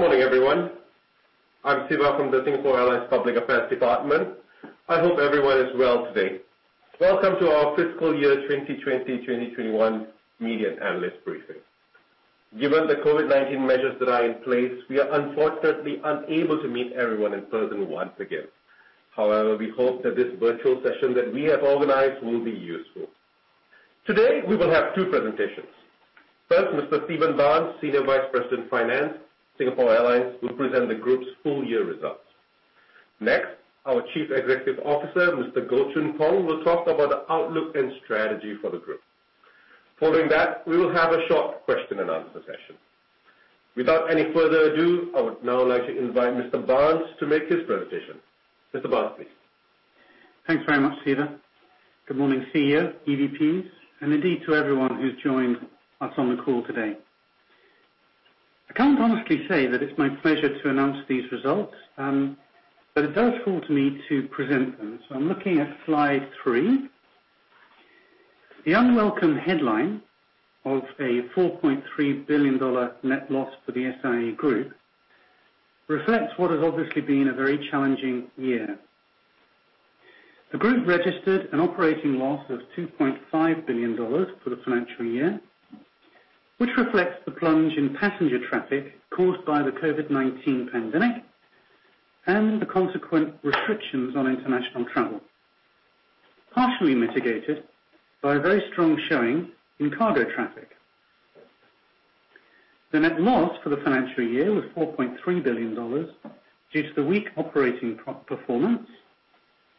Good morning, everyone. I'm Siva from the Singapore Airlines Public Affairs Department. I hope everyone is well today. Welcome to our Fiscal Year 2020/2021 Media Analyst Briefing. Given the COVID-19 measures that are in place, we are unfortunately unable to meet everyone in person once again. We hope that this virtual session that we have organized will be useful. Today, we will have two presentations. First, Mr. Stephen Barnes, Senior Vice President, Finance, Singapore Airlines, will present the group's full-year results. Next, our Chief Executive Officer, Mr. Goh Choon Phong, will talk about the outlook and strategy for the group. Following that, we will have a short question and answer session. Without any further ado, I would now like to invite Mr. Barnes to make his presentation. Mr. Barnes, please. Thanks very much, Siva. Good morning, CEO, EVPs, and indeed to everyone who's joined us on the call today. I can't honestly say that it's my pleasure to announce these results, but it's useful to me to present them. I'm looking at slide three. The unwelcome headline of a 4.3 billion dollar net loss for the SIA Group reflects what has obviously been a very challenging year. The Group registered an operating loss of 2.5 billion dollars for the financial year, which reflects the plunge in passenger traffic caused by the COVID-19 pandemic and the consequent restrictions on international travel, partially mitigated by a very strong showing in cargo traffic. The net loss for the financial year was 4.3 billion dollars due to the weak operating performance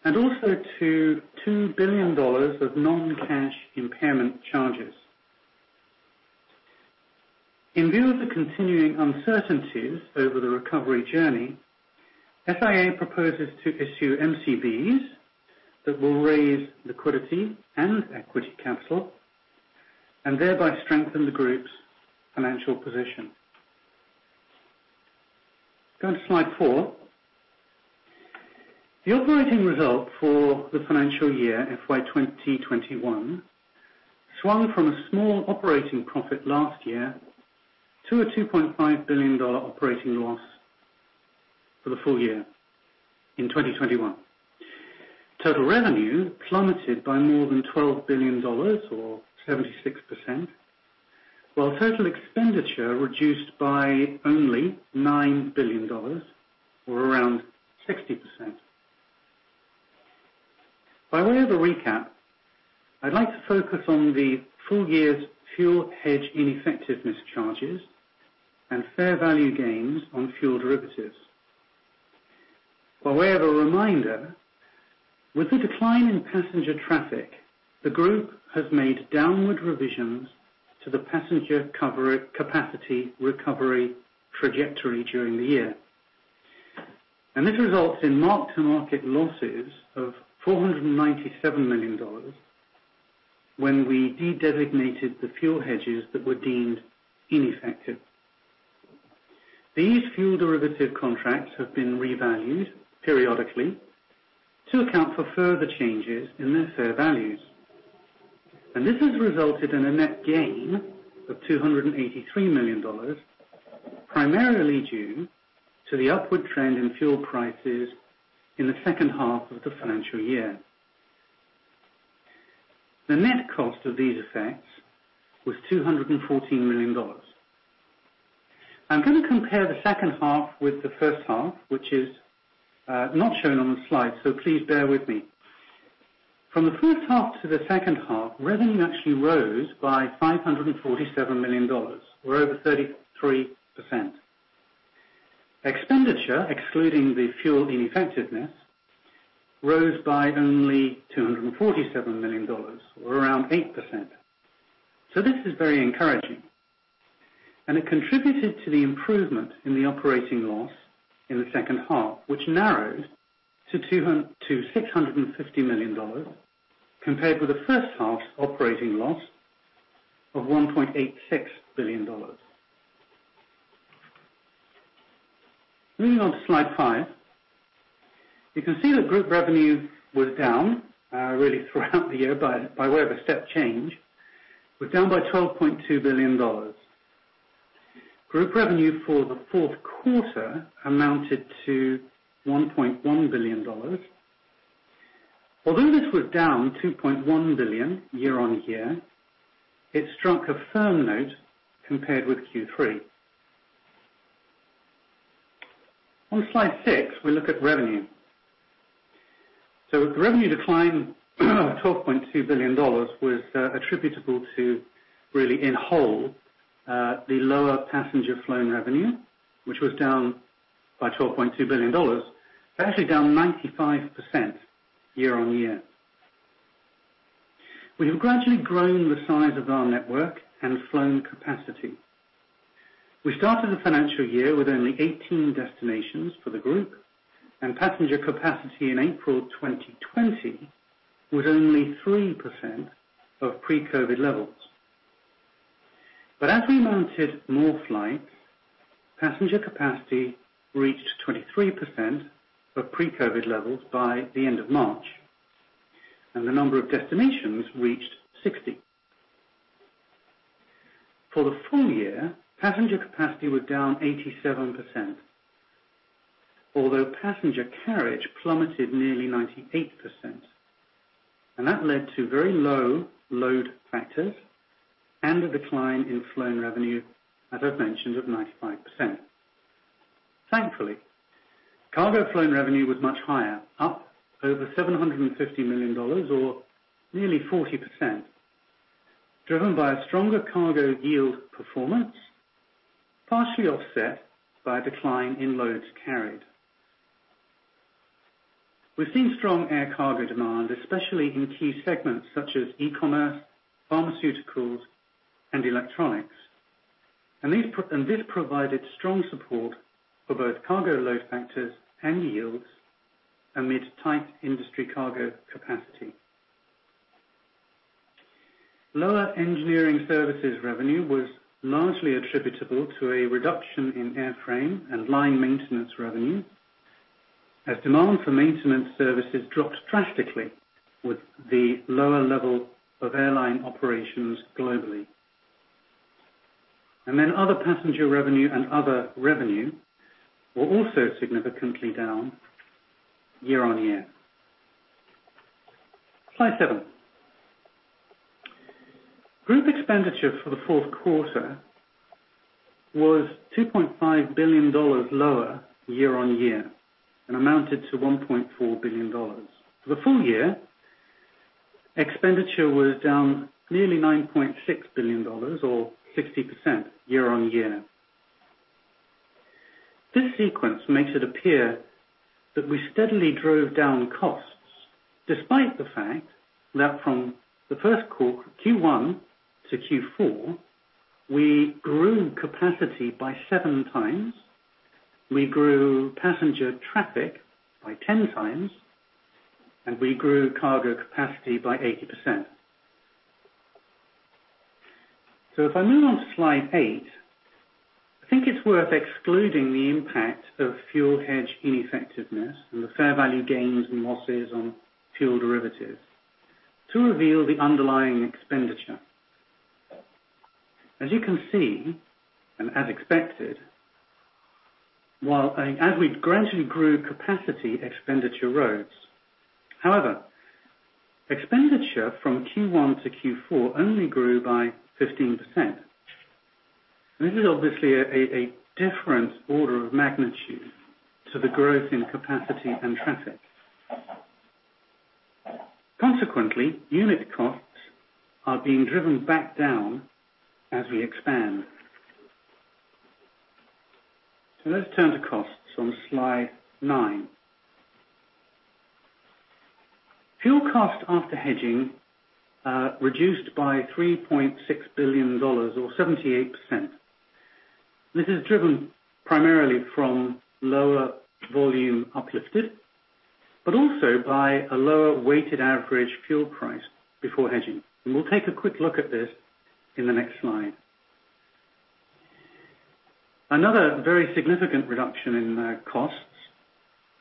and also to 2 billion dollars of non-cash impairment charges. In view of the continuing uncertainties over the recovery journey, SIA proposes to issue MCBs that will raise liquidity and equity capital and thereby strengthen the group's financial position. Go to slide four. The operating result for the financial year FY2021 swung from a small operating profit last year to a 2.5 billion dollar operating loss for the full year in 2021. Total revenue plummeted by more than 12 billion dollars or 76%, while total expenditure reduced by only 9 billion dollars or around 60%. By way of a recap, I'd like to focus on the full year's fuel hedge ineffectiveness charges and fair value gains on fuel derivatives. By way of a reminder, with the decline in passenger traffic, the group has made downward revisions to the passenger capacity recovery trajectory during the year. This results in mark-to-market losses of 497 million dollars when we de-designated the fuel hedges that were deemed ineffective. These fuel derivative contracts have been revalued periodically to account for further changes in their fair values. This has resulted in a net gain of 283 million dollars, primarily due to the upward trend in fuel prices in the second half of the financial year. The net cost of these effects was 214 million dollars. I'm going to compare the second half with the first half, which is not shown on the slide, so please bear with me. From the first half to the second half, revenue actually rose by 547 million dollars or over 33%. Expenditure, excluding the fuel ineffectiveness, rose by only 247 million dollars or around 8%. This is very encouraging and it contributed to the improvement in the operating loss in the second half, which narrowed to 650 million dollars compared with the first half's operating loss of 1.86 billion dollars. Moving on to slide five. You can see that group revenue was down really throughout the year by way of a step change, but down by 12.2 billion dollars. Group revenue for the fourth quarter amounted to 1.1 billion dollars. Although this was down 2.1 billion year-on-year, it struck a firm note compared with Q3. On slide six, we look at revenue. The revenue decline of 12.2 billion dollars was attributable to really in whole the lower passenger flown revenue, which was down by 12.2 billion dollars, but actually down 95% year-on-year. We have gradually grown the size of our network and flown capacity. We started the financial year with only 18 destinations for the group, passenger capacity in April 2020 was only 3% of pre-COVID levels. As we mounted more flights, passenger capacity reached 23% of pre-COVID levels by the end of March, and the number of destinations reached 60%. For the full year, passenger capacity was down 87%, although passenger carriage plummeted nearly 98%. That led to very low load factors and a decline in flown revenue, as I've mentioned, of 95%. Thankfully, cargo flown revenue was much higher, up over 750 million dollars or nearly 40%, driven by a stronger cargo yield performance, partially offset by a decline in loads carried. We've seen strong air cargo demand, especially in key segments such as e-commerce, pharmaceuticals, and electronics. This provided strong support for both cargo load factors and yields amid tight industry cargo capacity. Lower engineering services revenue was largely attributable to a reduction in airframe and line maintenance revenue, as demand for maintenance services dropped drastically with the lower level of airline operations globally. Other passenger revenue and other revenue were also significantly down year-on-year. Slide seven. Group expenditure for the fourth quarter was 2.5 billion dollars lower year-on-year and amounted to 1.4 billion dollars. For the full year, expenditure was down nearly 9.6 billion dollars or 50% year-on-year. This sequence makes it appear that we steadily drove down costs, despite the fact that from the first quarter, Q1 to Q4, we grew capacity by seven times, we grew passenger traffic by 10 times, and we grew cargo capacity by 80%. If I move on to slide eight, I think it's worth excluding the impact of fuel hedge ineffectiveness and the fair value gains and losses on fuel derivatives to reveal the underlying expenditure. As you can see, and as expected, as we gradually grew capacity, expenditure rose. However, expenditure from Q1 to Q4 only grew by 15%. This is obviously a different order of magnitude to the growth in capacity and traffic. Consequently, unit costs are being driven back down as we expand. Let's turn to costs on slide nine. Fuel cost after hedging reduced by 3.6 billion dollars or 78%. This is driven primarily from lower volume uplifts, but also by a lower weighted average fuel price before hedging. We'll take a quick look at this in the next slide. Another very significant reduction in costs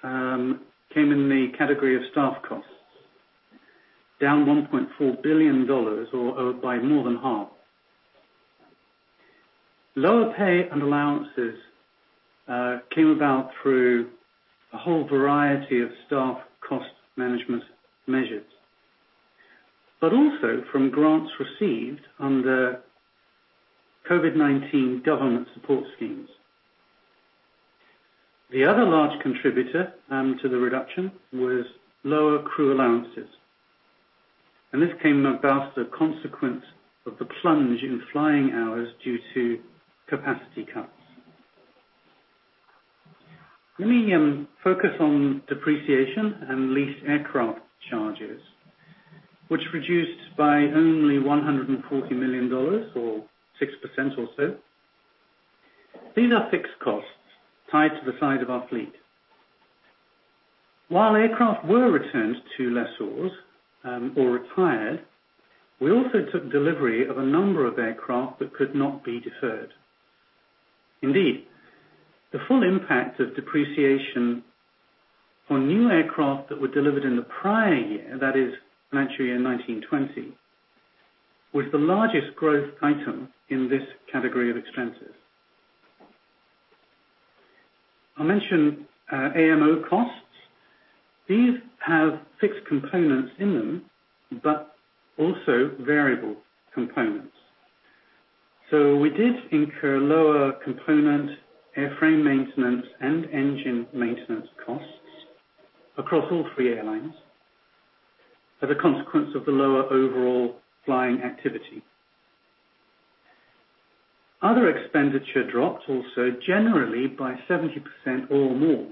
came in the category of staff costs, down 1.4 billion dollars or by more than half. Lower pay and allowances came about through a whole variety of staff cost management measures, but also from grants received under COVID-19 government support schemes. The other large contributor to the reduction was lower crew allowances, and this came about as a consequence of the plunge in flying hours due to capacity cuts. Let me focus on depreciation and leased aircraft charges, which reduced by only 140 million dollars or 6% or so. These are fixed costs tied to the size of our fleet. While aircraft were returned to lessors or retired, we also took delivery of a number of aircraft that could not be deferred. Indeed, the full impact of depreciation on new aircraft that were delivered in the prior year, that is financial year 2019/2020, was the largest growth item in this category of expenses. I mentioned MRO costs. These have fixed components in them, but also variable components. We did incur lower component airframe maintenance and engine maintenance costs across all three airlines as a consequence of the lower overall flying activity. Other expenditure dropped also generally by 70% or more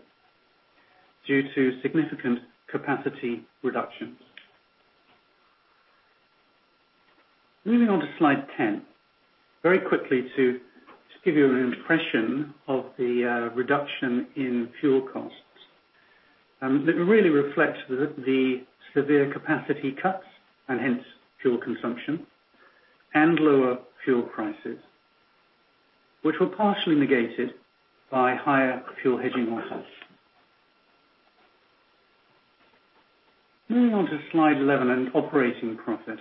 due to significant capacity reductions. Moving on to slide 10. Very quickly to just give you an impression of the reduction in fuel costs. It really reflects the severe capacity cuts and hence fuel consumption and lower fuel prices, which were partially negated by higher fuel hedging losses. Moving on to slide 11, operating profit.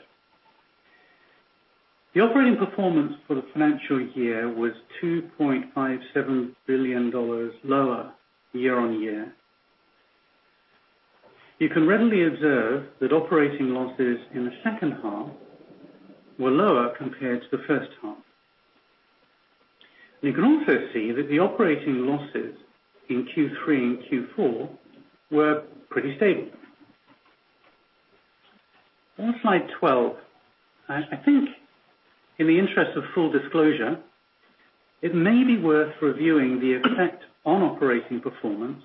The operating performance for the financial year was 2.57 billion dollars lower year on year. You can readily observe that operating losses in the second half were lower compared to the first half. You can also see that the operating losses in Q3 and Q4 were pretty stable. On slide 12, I think in the interest of full disclosure, it may be worth reviewing the effect on operating performance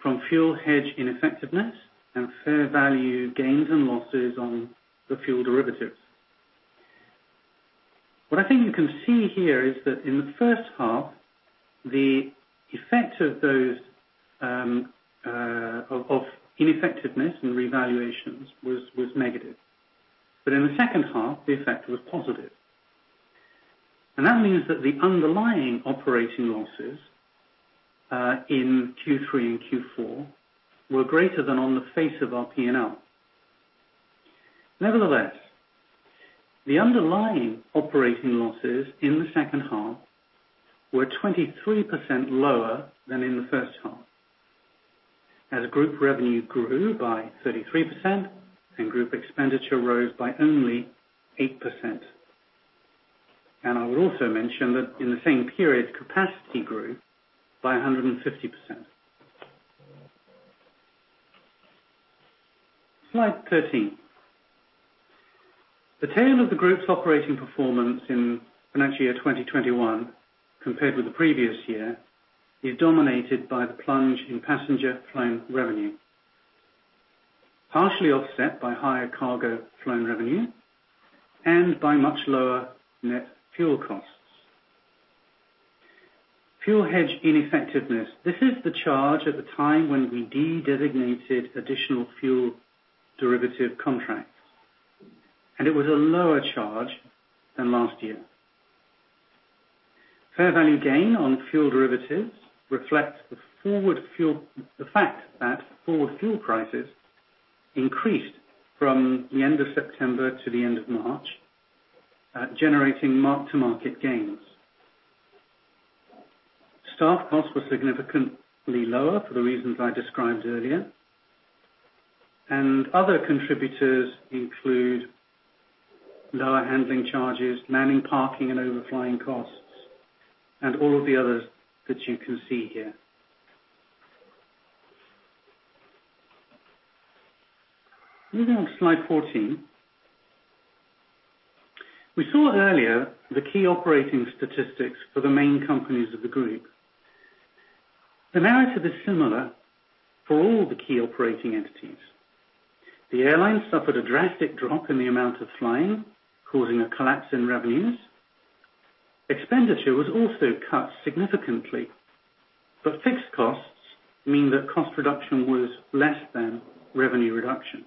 from fuel hedge ineffectiveness and fair value gains and losses on the fuel derivatives. What I think you can see here is that in the first half, the effect of ineffectiveness and revaluations was negative. In the second half, the effect was positive. That means that the underlying operating losses in Q3 and Q4 were greater than on the face of our P&L. Nevertheless, the underlying operating losses in the second half were 23% lower than in the first half, as group revenue grew by 33% and group expenditure rose by only 8%. I'll also mention that in the same period, capacity grew by 150%. Slide 13. The tale of the group's operating performance in Financial Year 2021 compared with the previous year is dominated by a plunge in passenger flown revenue, partially offset by higher cargo flown revenue and by much lower net fuel costs. Fuel hedge ineffectiveness. This is the charge at the time when we de-designated additional fuel derivative contracts, and it was a lower charge than last year. Fair value gain on fuel derivatives reflects the fact that forward fuel prices increased from the end of September to the end of March, generating mark-to-market gains. Staff costs were significantly lower for the reasons I described earlier, and other contributors include lower handling charges, manning, parking, and overflying costs, and all the others that you can see here. Moving on to slide 14. We saw earlier the key operating statistics for the main companies of the group. The narrative is similar for all the key operating entities. The airlines suffered a drastic drop in the amount of flying, causing a collapse in revenues. Expenditure was also cut significantly, but fixed costs mean that cost reduction was less than revenue reduction.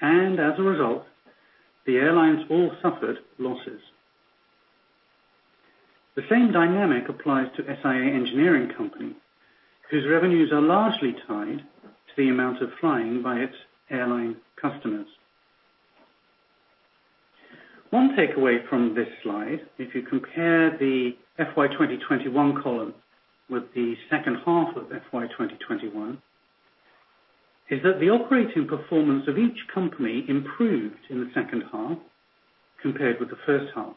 As a result, the airlines all suffered losses. The same dynamic applies to SIA Engineering Company, whose revenues are largely tied to the amount of flying by its airline customers. One takeaway from this slide, if you compare the FY 2021 column with the second half of FY 2021, is that the operating performance of each company improved in the second half compared with the first half,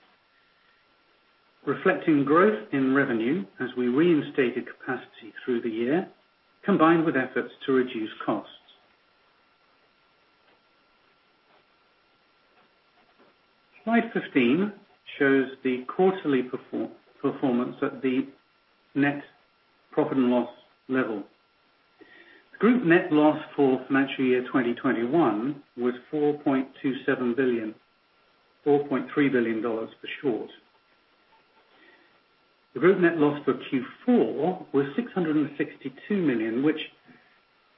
reflecting growth in revenue as we reinstated capacity through the year, combined with efforts to reduce costs. Slide 15 shows the quarterly performance at the net profit and loss level. Group net loss for Financial Year 2021 was 4.27 billion, 4.3 billion dollars for short. The group net loss for Q4 was 662 million, which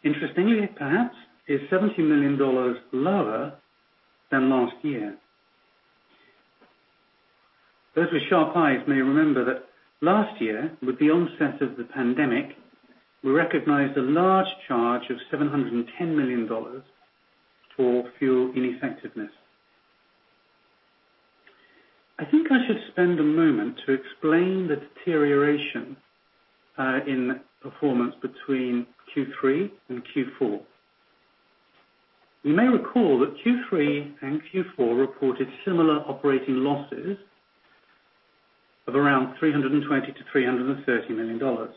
interestingly perhaps, is 72 million dollars lower than last year. Those with sharp eyes may remember that last year, with the onset of the pandemic, we recognized a large charge of 710 million dollars for fuel ineffectiveness. I think I should spend a moment to explain the deterioration in performance between Q3 and Q4. You may recall that Q3 and Q4 reported similar operating losses of around 320 million-330 million dollars.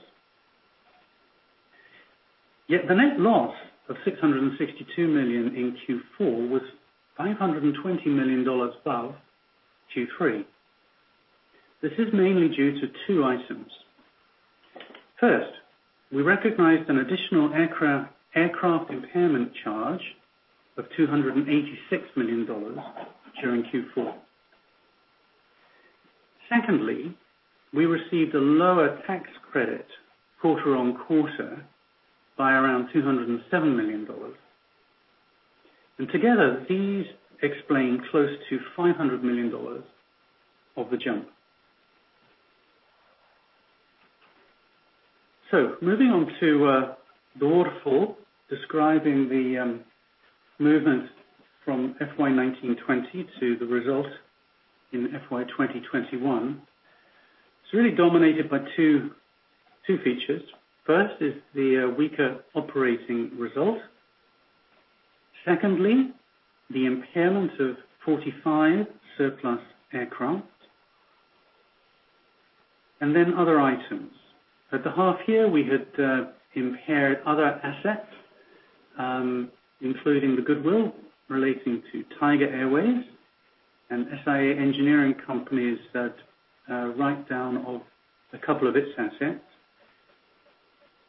The net loss of 662 million in Q4 was 520 million dollars above Q3. This is mainly due to two items. First, we recognized an additional aircraft impairment charge of 286 million dollars during Q4. Secondly, we received a lower tax credit quarter-on-quarter by around 207 million dollars. Together, these explain close to 500 million dollars of the jump. Moving on to the waterfall describing the movement from FY 2019/2020 to the results in FY 2020/2021. It's really dominated by two features. First is the weaker operating results. Secondly, the impairment of 45 surplus aircraft. Other items. At the half year, we had impaired other assets, including the goodwill relating to Tiger Airways and SIA Engineering Company's write-down of a couple of its assets.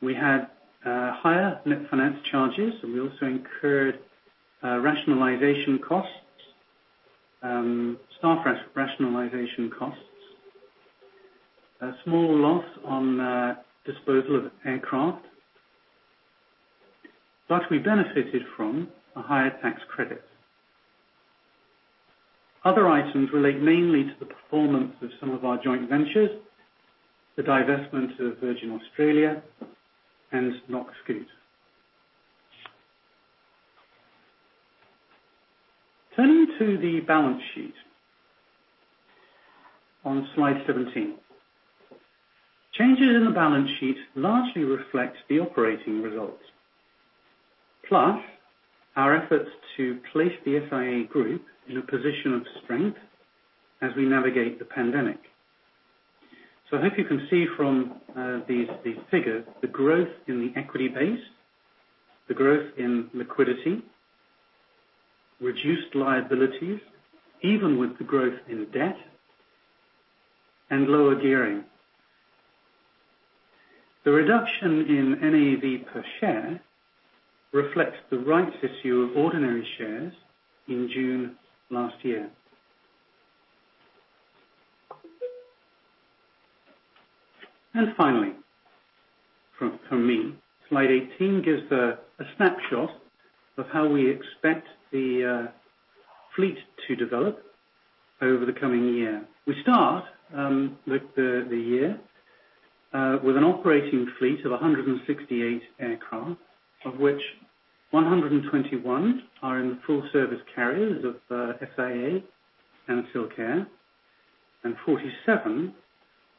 We had higher net finance charges, we also incurred staff rationalization costs, a small loss on the disposal of aircraft. Lastly, we benefited from a higher tax credit. Other items relate mainly to the performance of some of our joint ventures, the divestment of Virgin Australia and NokScoot. Turning to the balance sheet on slide 17. Changes in the balance sheet largely reflects the operating results, plus our efforts to place the SIA Group in a position of strength as we navigate the pandemic. I think you can see from these figures the growth in the equity base, the growth in liquidity, reduced liabilities, even with the growth in debt, and lower gearing. The reduction in NAV per share reflects the rights issue of ordinary shares in June last year. Finally, from me, slide 18 gives a snapshot of how we expect the fleet to develop over the coming year. We start the year with an operating fleet of 168 aircraft, of which 121 are in the full service carriers of SIA and SilkAir, and 47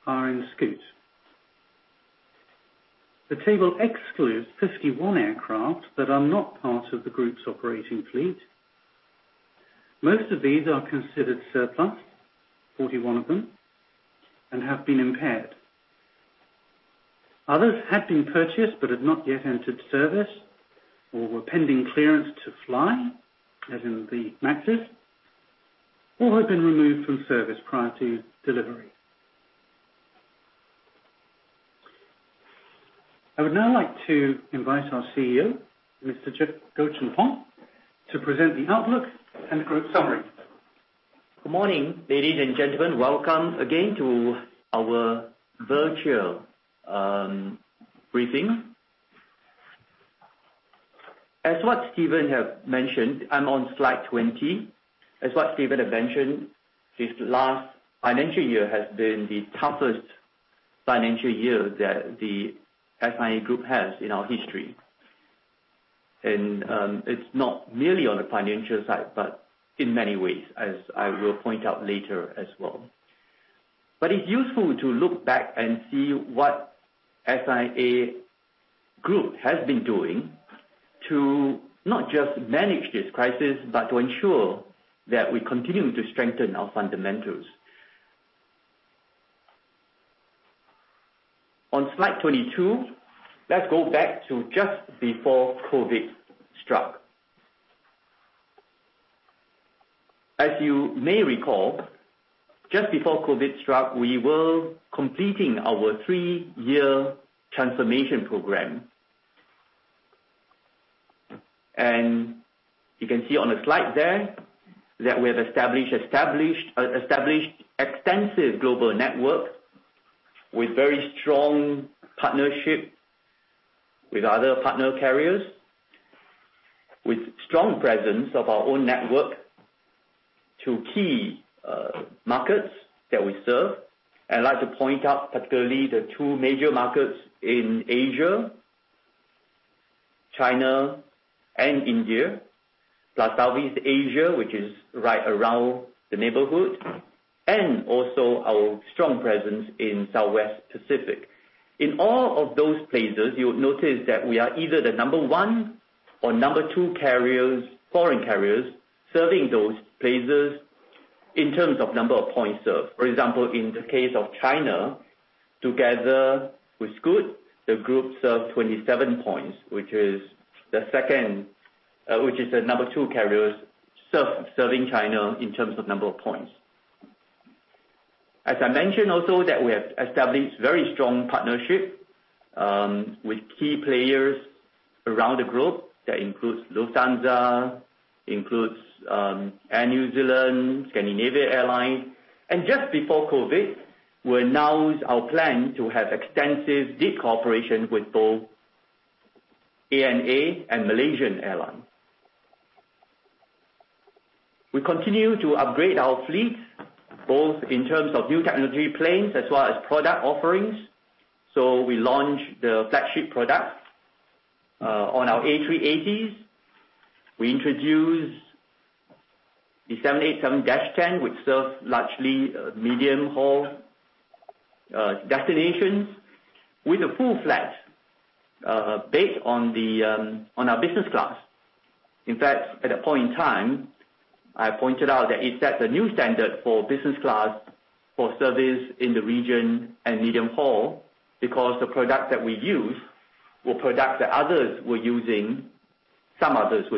are in Scoot. The table excludes 51 aircraft that are not part of the group's operating fleet. Most of these are considered surplus, 41 of them, and have been impaired. Others have been purchased but have not yet entered service or were pending clearance to fly, as in the MAXs, or have been removed from service prior to delivery. I would now like to invite our CEO, Mr. Goh Choon Phong, to present the outlook and group summary. Good morning, ladies and gentlemen. Welcome again to our Virtual Briefing. As what Stephen has mentioned, I'm on slide 20. As what Stephen has mentioned, this last financial year has been the toughest financial year that the SIA Group has in our history. It's not merely on the financial side, but in many ways, as I will point out later as well. It's useful to look back and see what SIA Group has been doing to not just manage this crisis, but to ensure that we continue to strengthen our fundamentals. On slide 22, let's go back to just before COVID-19 struck. As you may recall, just before COVID-19 struck, we were completing our three-year transformation program. You can see on the slide there that we have established extensive global network with very strong partnership with other partner carriers, with strong presence of our own network to key markets that we serve. I'd like to point out particularly the two major markets in Asia, China and India, plus Southeast Asia, which is right around the neighborhood, and also our strong presence in Southwest Pacific. In all of those places, you will notice that we are either the number one or number two foreign carriers serving those places in terms of number of points served. For example, in the case of China, together with Scoot, the group serves 27 points, which is the number two carrier serving China in terms of number of points. As I mentioned also that we have established very strong partnership with key players around the group. That includes Lufthansa, includes Air New Zealand, Scandinavian Airlines. Just before COVID, we announced our plan to have extensive deep cooperation with both ANA and Malaysia Airlines. We continue to upgrade our fleet, both in terms of new technology planes as well as product offerings. We launched the flagship product on our A380s. We introduced the 787-10, which serves largely medium-haul destinations with a full flat bed on our business class. In fact, at that point in time, I pointed out that it set the new standard for business class for service in the region and medium haul because the product that we use were products that some others were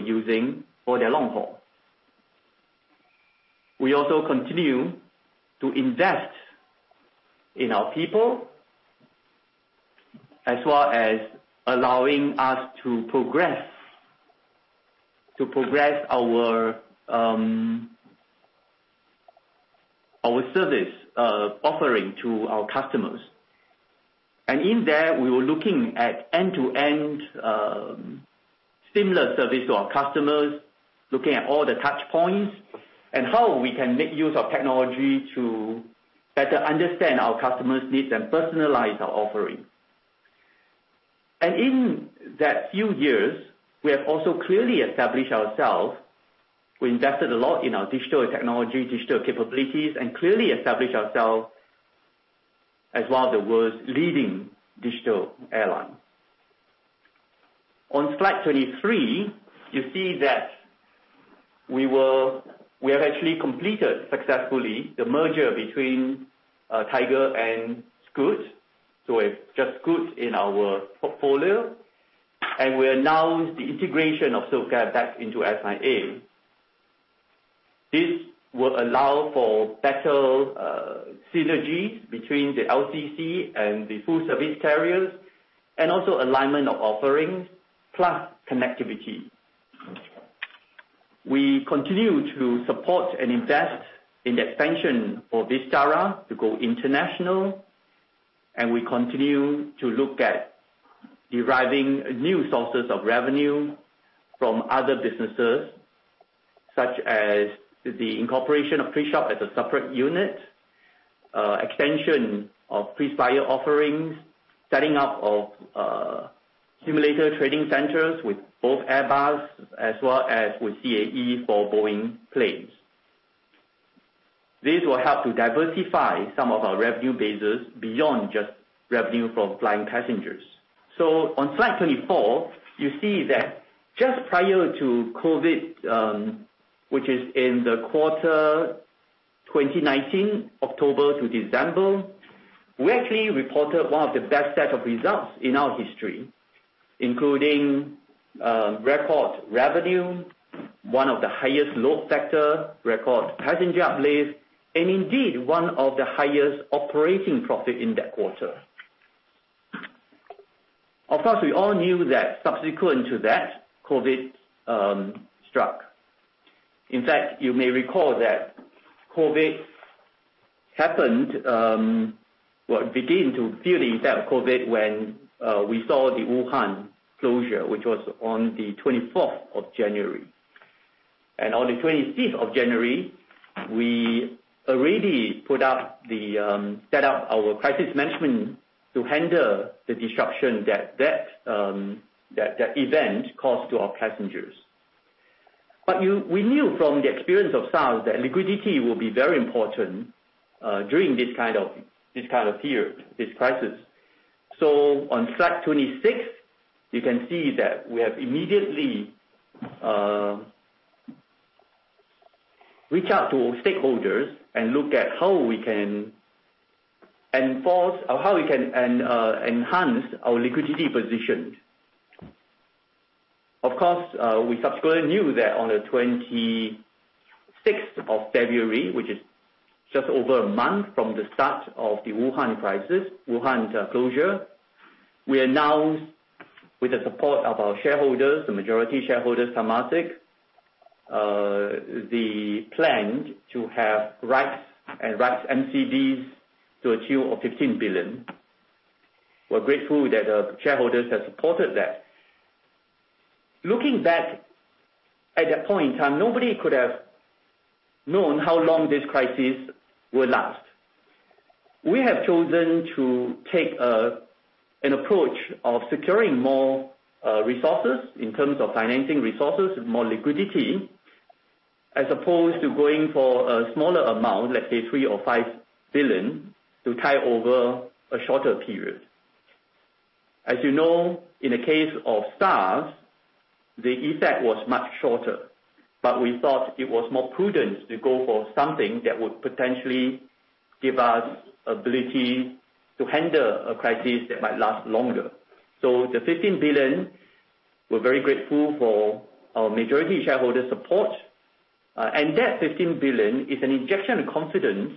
using for their long haul. We also continue to invest in our people, as well as allowing us to progress our service offering to our customers. In that, we were looking at end-to-end seamless service to our customers, looking at all the touch points and how we can make use of technology to better understand our customers' needs and personalize our offerings. In that few years, we have also clearly established ourselves. We invested a lot in our digital technology, digital capabilities, and clearly established ourselves as one of the world's leading digital airlines. On slide 23, you see that we have actually completed successfully the merger between Tiger and Scoot. It's just Scoot in our portfolio, and we announced the integration of SilkAir back into SIA. This will allow for better synergy between the LCC and the full-service carriers and also alignment of offerings plus connectivity. We continue to support and invest in the expansion for Vistara to go international, and we continue to look at deriving new sources of revenue from other businesses, such as the incorporation of KrisShop as a separate unit, extension of KrisPay offerings, setting up of simulator training centers with both Airbus as well as with CAE for Boeing planes. This will help to diversify some of our revenue bases beyond just revenue from flying passengers. On slide 24, you see that just prior to COVID, which is in the quarter 2019, October to December, we actually reported one of the best set of results in our history, including record revenue, one of the highest load factor, record passenger uplift, and indeed one of the highest operating profit in that quarter. Of course, we all knew that subsequent to that, COVID struck. You may recall that COVID happened or began to feel the impact COVID when we saw the Wuhan closure, which was on the 24th of January. On the 25th of January, we already set up our crisis management to handle the disruption that event caused to our passengers. We knew from the experience of SARS that liquidity will be very important during this kind of period, this crisis. On slide 26, you can see that we have immediately reached out to our stakeholders and looked at how we can enhance our liquidity position. Of course, we subsequently knew that on the 26th of February, which is just over a month from the start of the Wuhan crisis, Wuhan closure, we announced with the support of our shareholders, the majority shareholder, Temasek, the plan to have rights and rights MCBs to achieve S$15 billion. We're grateful that our shareholders have supported that. Looking back at that point in time, nobody could have known how long this crisis would last. We have chosen to take an approach of securing more resources in terms of financing resources with more liquidity, as opposed to going for a smaller amount, let's say 3 billion or 5 billion to tide over a shorter period. As you know, in the case of SARS, the impact was much shorter, but we thought it was more prudent to go for something that would potentially give us ability to handle a crisis that might last longer. The 15 billion, we're very grateful for our majority shareholder support. That 15 billion is an injection of confidence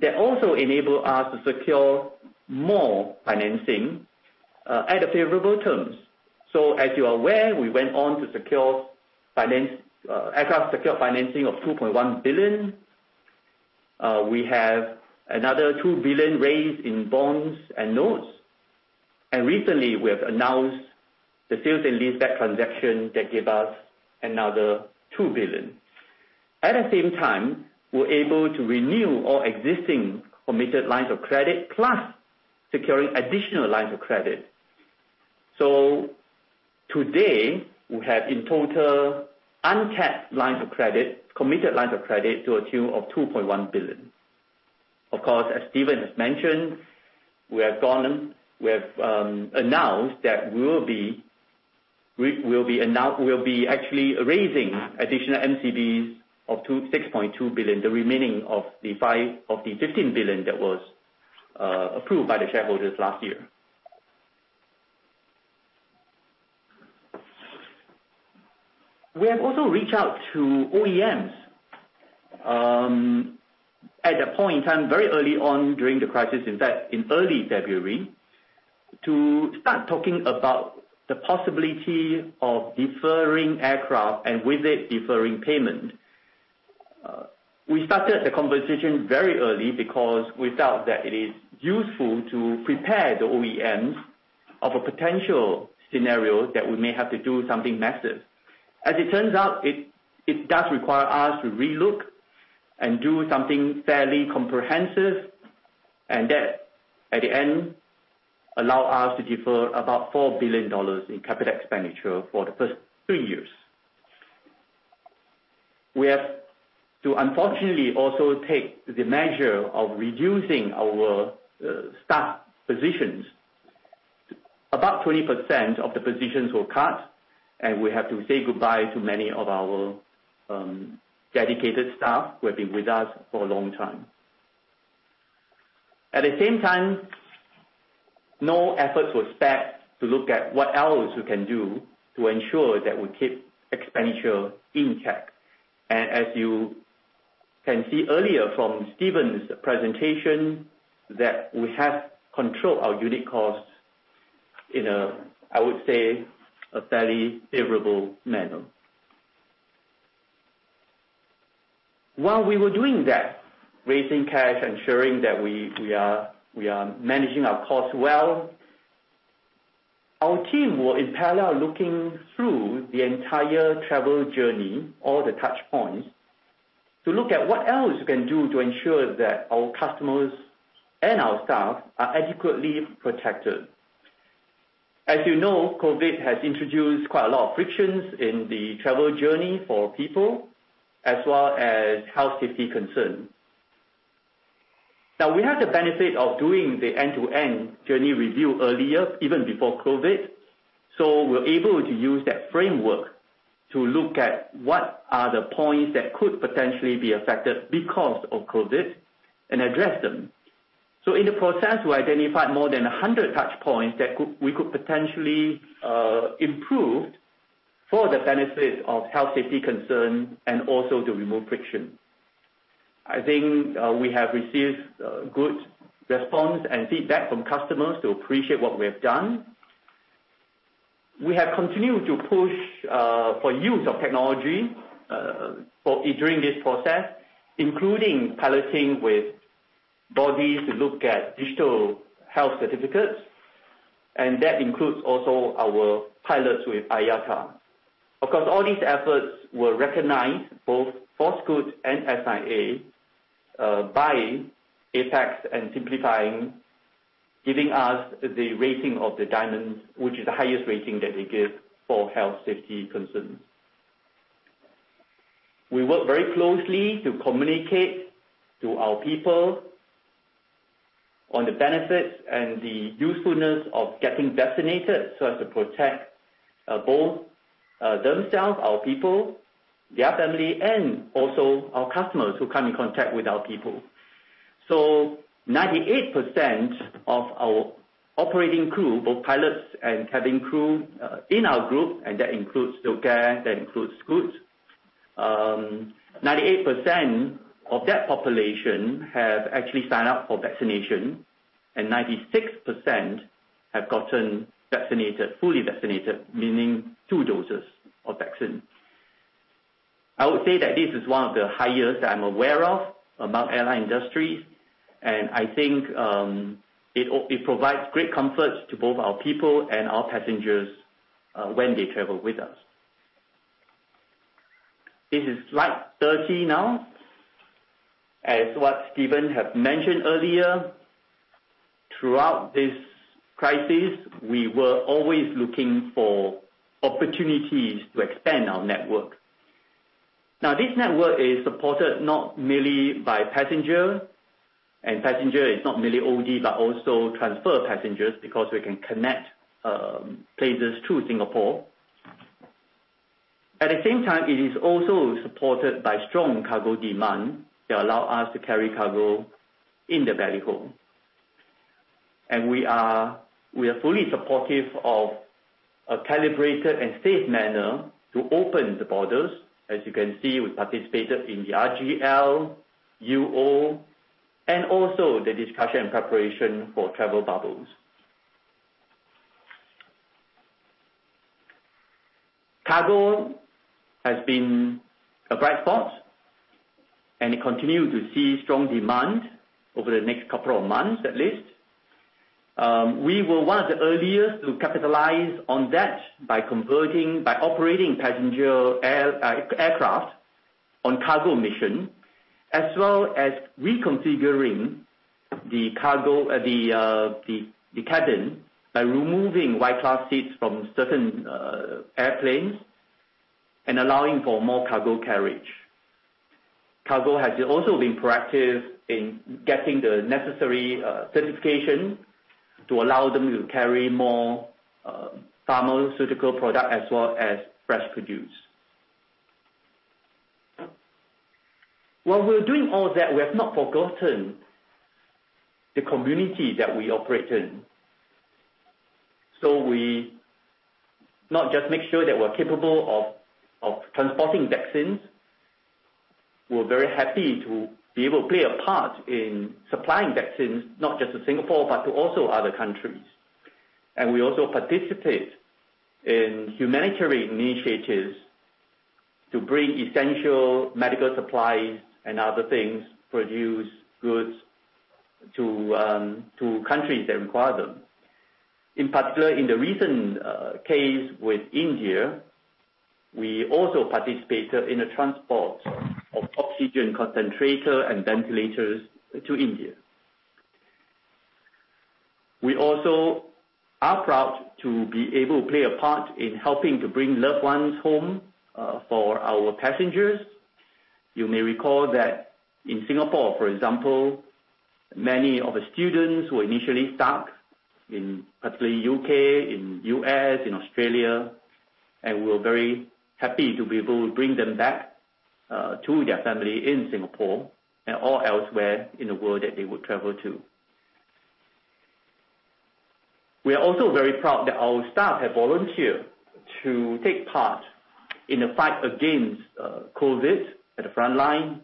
that also enabled us to secure more financing at favorable terms. As you're aware, we went on to secure financing of 2.1 billion. We have another 2 billion raised in bonds and notes, and recently we have announced the sale and leaseback transaction that gave us another 2 billion. At the same time, we're able to renew all existing committed lines of credit, plus securing additional lines of credit. Today, we have in total uncapped lines of credit, committed lines of credit to a tune of 2.1 billion. Of course, as Stephen has mentioned, we have announced that we'll be actually raising additional MCBs up to 6.2 billion, the remaining of the 15 billion that was approved by the shareholders last year. We have also reached out to OEMs. At a point in time, very early on during the crisis, in fact, in early February, to start talking about the possibility of deferring aircraft and with it deferring payment. We started the conversation very early because we felt that it is useful to prepare the OEMs of a potential scenario that we may have to do something massive. As it turns out, it does require us to relook and do something fairly comprehensive, and that, at the end, allow us to defer about 4 billion dollars in CapEx expenditure for the first three years. We have to, unfortunately, also take the measure of reducing our staff positions. About 20% of the positions were cut, and we have to say goodbye to many of our dedicated staff who have been with us for a long time. At the same time, no effort was spared to look at what else we can do to ensure that we keep expenditure in check. As you can see earlier from Stephen's presentation, that we have controlled our unit costs in a, I would say, fairly favorable manner. While we were doing that, raising cash, ensuring that we are managing our costs well, our team were in parallel looking through the entire travel journey, all the touchpoints, to look at what else we can do to ensure that our customers and our staff are adequately protected. As you know, COVID has introduced quite a lot of frictions in the travel journey for people, as well as health safety concerns. We had the benefit of doing the end-to-end journey review earlier, even before COVID. We're able to use that framework to look at what are the points that could potentially be affected because of COVID and address them. In the process, we identified more than 100 touchpoints that we could potentially improve for the benefit of health safety concerns and also to remove friction. I think we have received good response and feedback from customers who appreciate what we have done. We have continued to push for use of technology during this process, including piloting with bodies to look at digital health certificates, and that includes also our pilots with IATA. All these efforts were recognized for both Scoot and SIA, by APEX and SimpliFlying, giving us the rating of the diamond, which is the highest rating that they give for health safety concerns. We work very closely to communicate to our people on the benefit and the usefulness of getting vaccinated so as to protect both themselves, our people, their family, and also our customers who come in contact with our people. 98% of our operating crew, both pilots and cabin crew in our group, and that includes SilkAir, that includes Scoot. 98% of that population have actually signed up for vaccination, and 96% have gotten fully vaccinated, meaning two doses of vaccine. I would say that this is one of the highest I'm aware of among airline industries, and I think it provides great comfort to both our people and our passengers when they travel with us. This is slide 30 now. As what Stephen have mentioned earlier, throughout this crisis, we were always looking for opportunities to expand our network. This network is supported not merely by passenger, and passenger is not merely OD, but also transfer passengers because they can connect places to Singapore. At the same time, it is also supported by strong cargo demand that allow us to carry cargo in the belly hold. We are fully supportive of a calibrated and safe manner to open the borders. As you can see, we participated in the RGL, UO, and also the discussion and preparation for travel bubbles. Cargo has been a bright spot, it continues to see strong demand over the next couple of months at least. We were one of the earliest to capitalize on that by operating passenger aircraft on cargo mission, as well as reconfiguring the cabin by removing wide-class seats from certain airplanes and allowing for more cargo carriage. Cargo has also been proactive in getting the necessary certification to allow them to carry more pharmaceutical products as well as fresh produce. While we're doing all that, we have not forgotten the community that we operate in. We not just make sure that we're capable of transporting vaccines. We're very happy to be able to play a part in supplying vaccines, not just to Singapore, but to also other countries. We also participate in humanitarian initiatives to bring essential medical supplies and other things, produce goods to countries that require them. In fact, in the recent case with India, we also participated in the transport of oxygen concentrator and ventilators to India. We also are proud to be able to play a part in helping to bring loved ones home for our passengers. You may recall that in Singapore, for example, many of the students were initially stuck in, particularly U.K., in U.S., in Australia, and we're very happy to be able to bring them back to their family in Singapore and or elsewhere in the world that they would travel to. We are also very proud that our staff have volunteered to take part in the fight against COVID-19 at the frontline.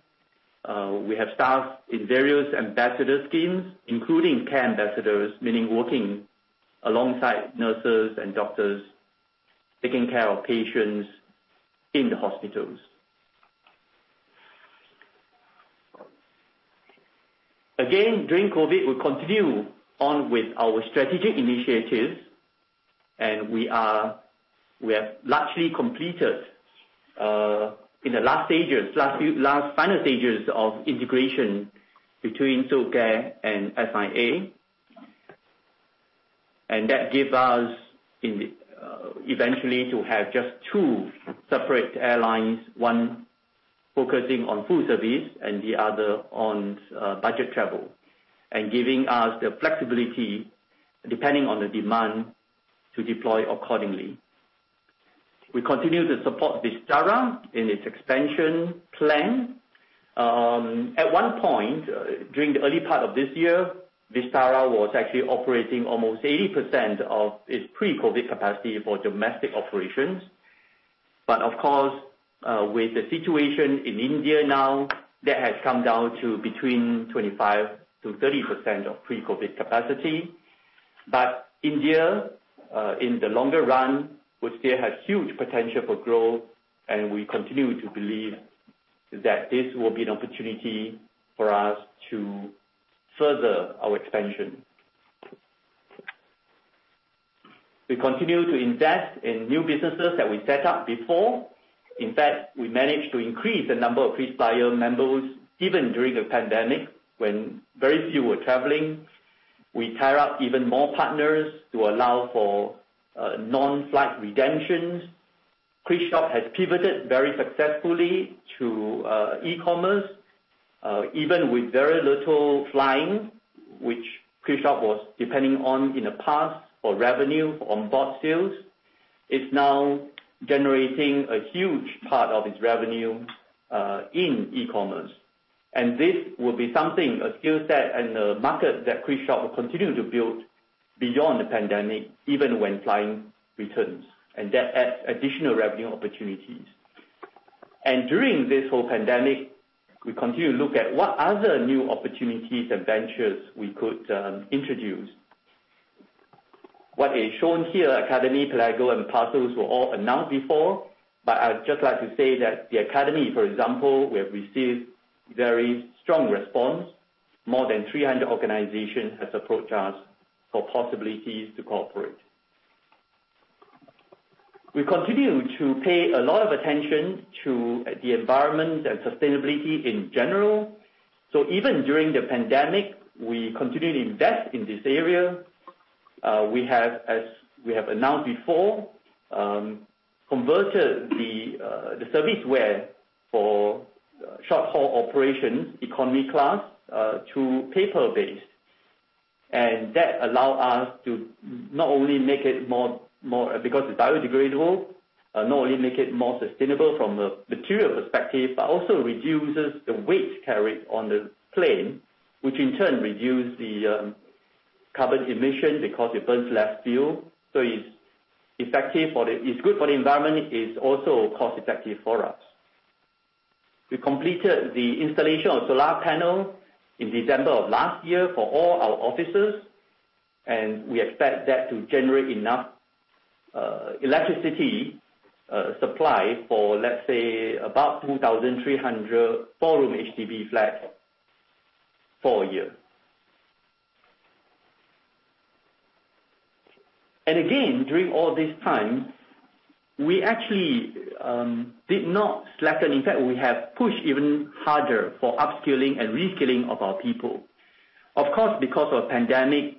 We have staff in various ambassador schemes, including care ambassadors, meaning working alongside nurses and doctors, taking care of patients in the hospitals. Again, during COVID-19, we continue on with our strategic initiatives, and we have largely completed in the last final stages of integration between SilkAir and SIA. That gives us eventually to have just two separate airlines, one focusing on full service and the other on budget travel, and giving us the flexibility, depending on the demand, to deploy accordingly. We continue to support Vistara in its expansion plan. At one point during the early part of this year, Vistara was actually operating almost 80% of its pre-COVID-19 capacity for domestic operations. Of course, with the situation in India now, that has come down to between 25%-30% of pre-COVID capacity. India, in the longer run, would still have huge potential for growth, and we continue to believe that this will be an opportunity for us to further our expansion. We continue to invest in new businesses that we set up before. In fact, we managed to increase the number of KrisFlyer members even during the pandemic when very few were traveling. We tied up even more partners to allow for non-flight redemptions. KrisShop has pivoted very successfully to e-commerce even with very little flying, which KrisShop was depending on in the past for revenue on board sales. It's now generating a huge part of its revenue in e-commerce. This will be something, a skill set and a market that KrisShop will continue to build beyond the pandemic, even when flying returns and that additional revenue opportunities. During this whole pandemic, we continue to look at what other new opportunities and ventures we could introduce. What is shown here, SIA Academy, Pelago, and Parxl were all announced before. I'd just like to say that the SIA Academy, for example, we have received very strong response. More than 300 organizations have approached us for possibilities to cooperate. We continue to pay a lot of attention to the environment and sustainability in general. Even during the pandemic, we continue to invest in this area. We have, as we have announced before, converted the serviceware for short-haul operations economy class to paper-based. That allow us to not only make it more, because it's biodegradable, not only make it more sustainable from a material perspective, but also reduces the weight carried on the plane, which in turn reduces the carbon emission because it burns less fuel. It's good for the environment. It's also cost-effective for us. We completed the installation of solar panels in December of last year for all our offices, and we expect that to generate enough electricity supply for, let's say, about 2,300 4-room HDB flats for a year. Again, during all this time, we actually did not slacken. In fact, we have pushed even harder for upskilling and reskilling of our people. Of course, because of pandemic,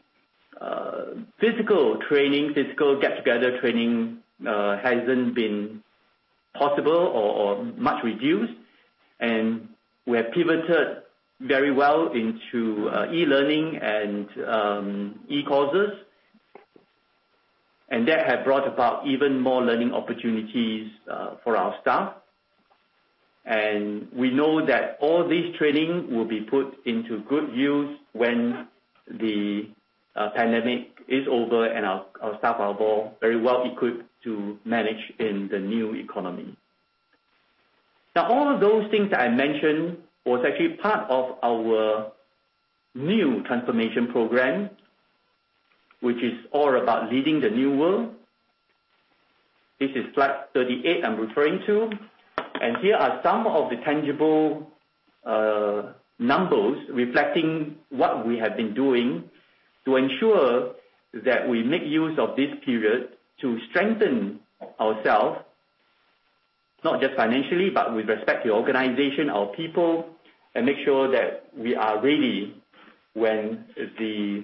physical training, physical get-together training hasn't been possible or much reduced, and we have pivoted very well into e-learning and e-courses. That has brought about even more learning opportunities for our staff. We know that all this training will be put into good use when the pandemic is over, and our staff are all very well-equipped to manage in the new economy. Now, all of those things I mentioned were actually part of our new transformation program, which is all about leading the new world. This is slide 38 I'm referring to. Here are some of the tangible numbers reflecting what we have been doing to ensure that we make use of this period to strengthen ourselves, not just financially, but with respect to the organization, our people, and make sure that we are ready when the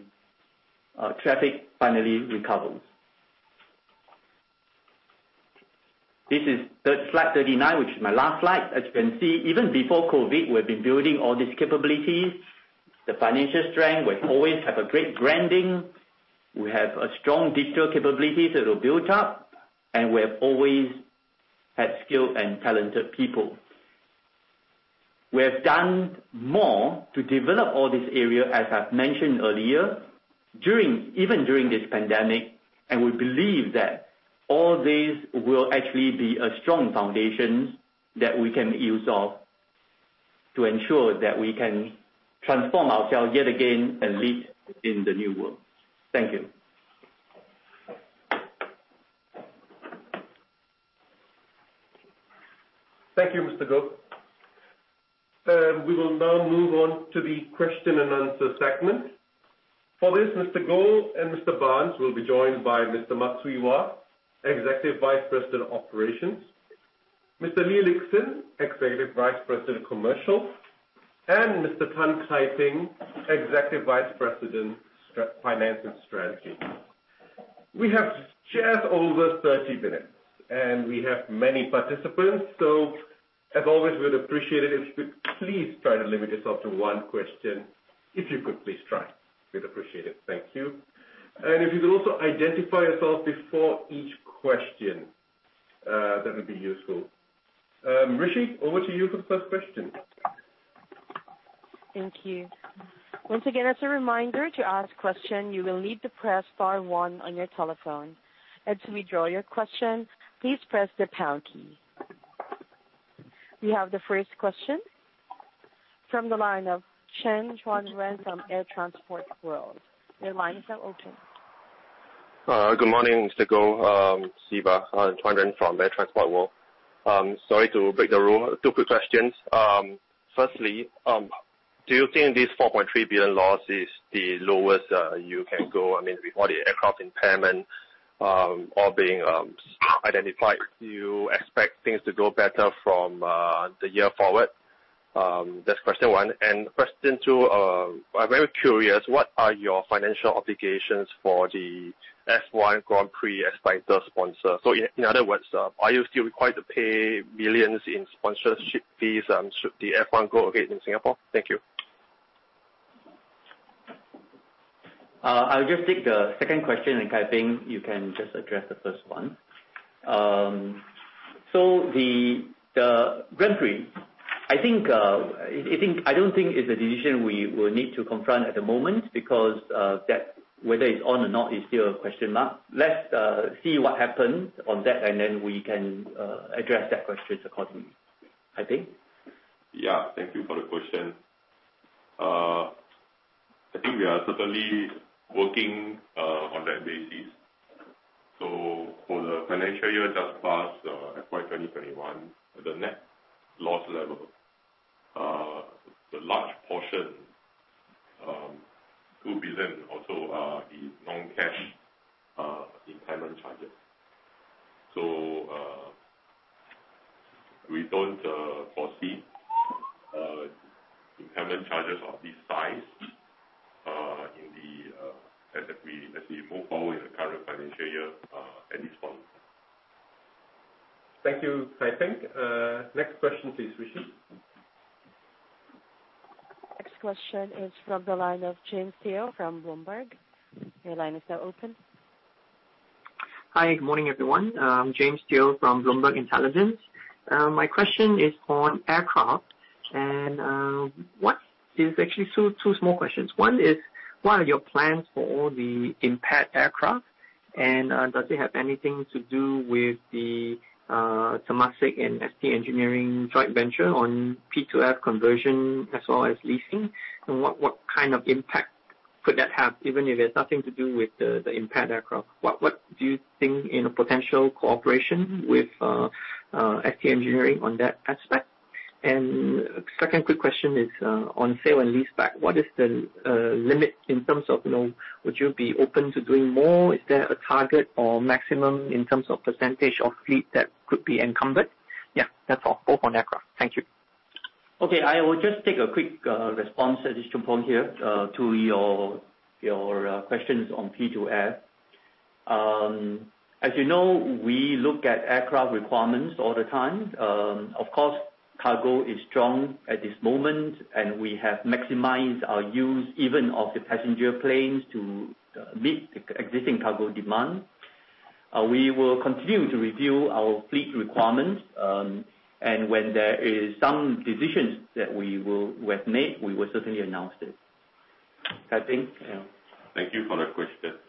traffic finally recovers. This is slide 39, which is my last slide. As you can see, even before COVID, we've been building all these capabilities. The financial strength, we've always had a great branding. We have a strong digital capability that we built up, and we have always had skilled and talented people. We have done more to develop all these areas, as I've mentioned earlier, even during this pandemic, and we believe that all this will actually be a strong foundation that we can make use of to ensure that we can transform ourselves yet again and lead in the new world. Thank you. Thank you, Mr. Goh. We will now move on to the question and answer segment. For this, Mr. Goh and Mr. Barnes will be joined by Mr. Mak Swee Wah, Executive Vice President, Operations, Mr. Lee Lik Hsin, Executive Vice President, Commercial, and Mr. Tan Kai Ping, Executive Vice President, Finance and Strategy. We have just over 30 minutes. We have many participants. As always, we'd appreciate it if you please try to limit yourself to one question. If you could please try, we'd appreciate it. Thank you. If you'd also identify yourself before each question, that would be useful. Rishi, over to you for the first question. Thank you. Once again, as a reminder, to ask a question, you will need to press star one on your telephone, and to withdraw your question, please press the pound key. We have the first question from the line of Chen Chuanren from Air Transport World. Your lines are open. Good morning, Mr. Goh, Siva. It's Chuanren from Air Transport World. Sorry to break the rule. Two quick questions. Firstly, do you think this 4.3 billion loss is the lowest you can go? I mean, with all the aircraft impairment all being identified, do you expect things to go better from the year forward? That's question one. Question two, I'm very curious, what are your financial obligations for the F1 Grand Prix as title sponsor? In other words, are you still required to pay millions in sponsorship fees should the F1 go ahead in Singapore? Thank you. I'll just take the second question, Kai Ping, you can just address the first one. The Grand Prix. I don't think it's a decision we will need to confront at the moment because whether it's on or not is still a question mark. Let's see what happens on that, then we can address that question accordingly. Kai Ping? Thank you for the question. I think we are certainly working on that basis. For the financial year just passed, FY 2021, the net loss level, the large portion, SGD 2 billion or so, is non-cash impairment charges. We don't foresee impairment charges of this size as we move forward in the current financial year at this point. Thank you, Kai Ping. Next question, please, Rishi. Next question is from the line of James Teo from Bloomberg. Your lines are open. Hi, good morning, everyone. I'm James Teo from Bloomberg Intelligence. My question is on aircraft. There's actually two small questions. One is, what are your plans for all the impaired aircraft? Does it have anything to do with the Temasek and ST Engineering joint venture on P2F conversion as well as leasing? What kind of impact could that have, even if it's nothing to do with the impaired aircraft? What do you think in a potential cooperation with ST Engineering on that aspect? Second quick question is on sale and leaseback. What is the limit in terms of would you be open to doing more? Is there a target or maximum in terms of percentage of fleet that could be encumbered? Yeah, that's all. Both on aircraft. Thank you. Okay. I will just take a quick response at this point here to your questions on P2F. As you know, we look at aircraft requirements all the time. Of course, cargo is strong at this moment, and we have maximized our use even of the passenger planes to meet existing cargo demand. We will continue to review our fleet requirements, and when there is some decisions that we will have made, we will certainly announce it. Kai Ting? Thank you for that question.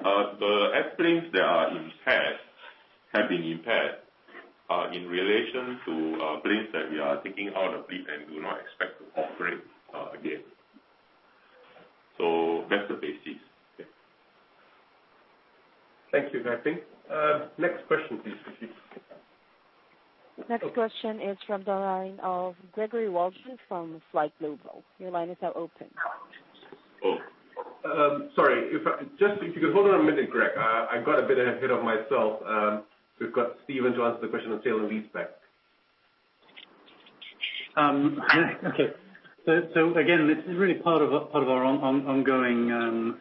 The airplanes that have been impaired are in relation to planes that we are taking out of fleet and do not expect to operate again. That's the basis. Yeah. Thank you, Kai Ting. Next question please, Rishi. Next question is from the line of Gregory Waldron from FlightGlobal. Your line is now open. Oh, sorry. Just hold on a minute, Greg. I got a bit ahead of myself. We've got Stephen to answer the question on sale and leaseback. Okay. Again, this is really part of our ongoing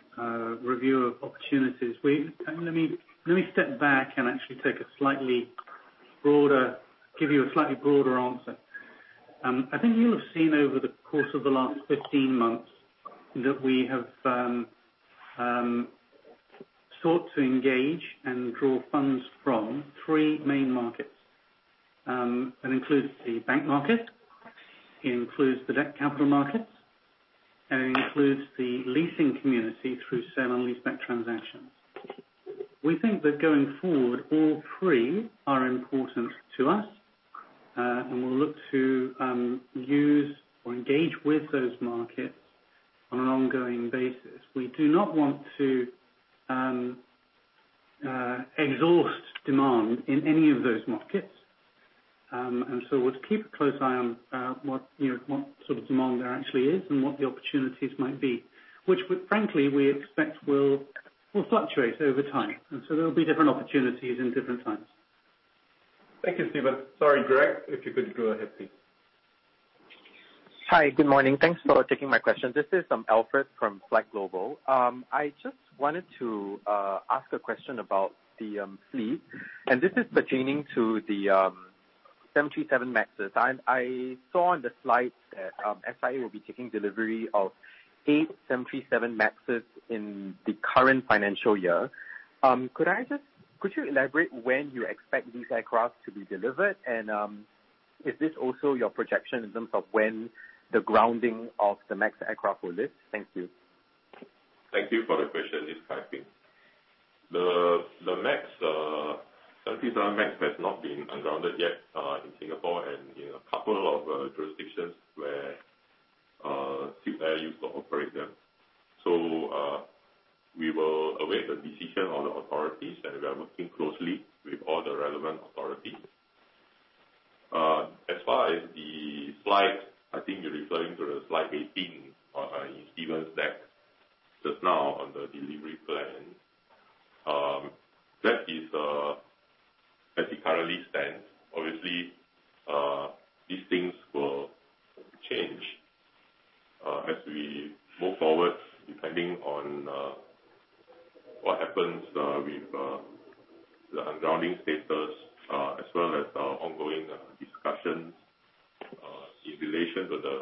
review of opportunities. Let me step back and actually give you a slightly broader answer. I think you've seen over the course of the last 15 months that we have sought to engage and draw funds from three main markets. It includes the bank market, it includes the debt capital markets, and it includes the leasing community through sale and leaseback transactions. We think that going forward, all three are important to us, and we'll look to use or engage with those markets on an ongoing basis. We do not want to exhaust demand in any of those markets. We'll keep a close eye on what sort of demand there actually is and what the opportunities might be. Which frankly, we expect will fluctuate over time. There'll be different opportunities at different times. Thank you, Stephen. Sorry, Greg. If you could go ahead, please. Hi. Good morning. Thanks for taking my question. This is Alfred from FlightGlobal. I just wanted to ask a question about the fleet, and this is pertaining to the 737 MAXs. I saw on the slides that SIA will be taking delivery of eight 737 MAXs in the current financial year. Could you elaborate when you expect these aircraft to be delivered? Is this also your projection in terms of when the grounding of the MAX aircraft will lift? Thank you. Thank you for the question. This is Tan Kai Ping. The 737 MAX has not been ungrounded yet in Singapore and in a couple of jurisdictions where SIA looks to operate them. We will await the decision of the authorities, and we are working closely with all the relevant authorities. As far as the flight, I think you're referring to the slide 18 in Stephen Barnes's deck just now on the delivery plan. That is as the current stand. Obviously, these things will change as we move forward, depending on what happens with the ungrounding status as well as our ongoing discussions in relation to the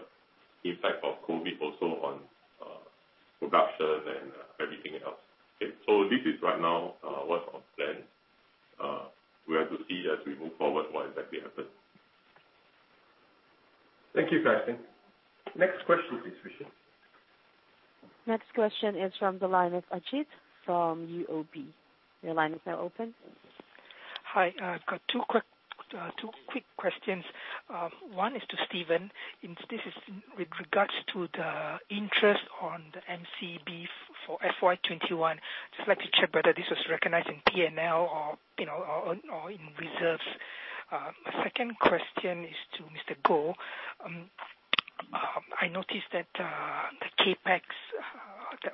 impact of COVID-19 also on production and everything else. Okay. This is right now what's our plan. We have to see as we move forward what exactly happens. Thank you, Kai Ting. Next question please, Michelle. Next question is from the line of Ajith from UOB. Your line is now open. Hi. I've got two quick questions. One is to Stephen. This is with regards to the interest on the MCBs for FY21. Just wanted to check whether this was recognized in P&L or in reserves. Second question is to Mr. Goh. I noticed that the CapEx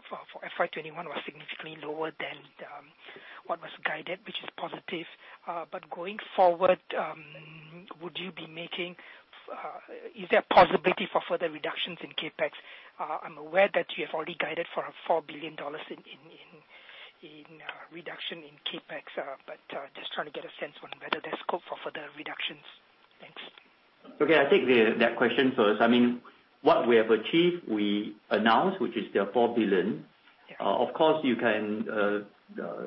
for FY21 was significantly lower than what was guided, which is positive. Going forward is there a possibility for further reductions in CapEx? I'm aware that you have already guided for a 4 billion dollars in reduction in CapEx. Just trying to get a sense on whether there's scope for further reductions. Thanks. Okay. I'll take that question first. What we have achieved, we announced, which is the $4 billion. Of course, you can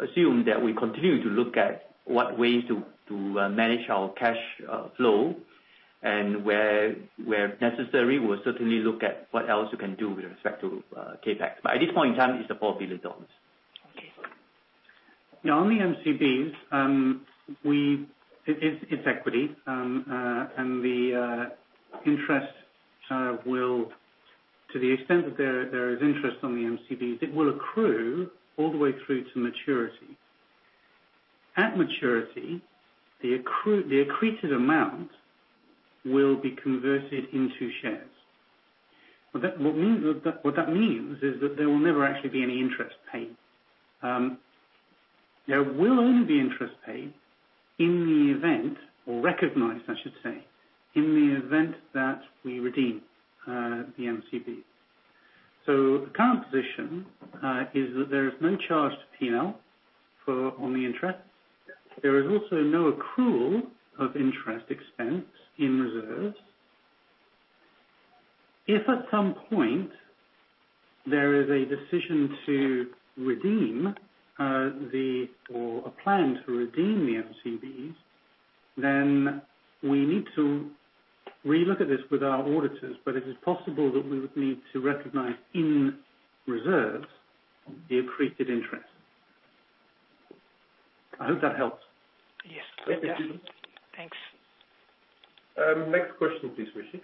assume that we continue to look at what ways to manage our cash flow and where necessary, we'll certainly look at what else we can do with respect to CapEx. At this point in time, it's $4 billion. Okay. On the MCBs, it's equity. The interest will, to the extent that there is interest on the MCBs, it will accrue all the way through to maturity. At maturity, the accreted amount will be converted into shares. What that means is that there will never actually be any interest paid. There will only be interest paid in the event, or recognized, I should say, in the event that we redeem the MCBs. The current position is that there is no charge to P&L on the interest. There is also no accrual of interest expense in reserves. If at some point there is a decision to redeem or a plan to redeem the MCBs, we need to re-look at this with our auditors. It is possible that we would need to recognize in reserves the accreted interest. I hope that helps. Yes. Thanks. Next question please, Rishi.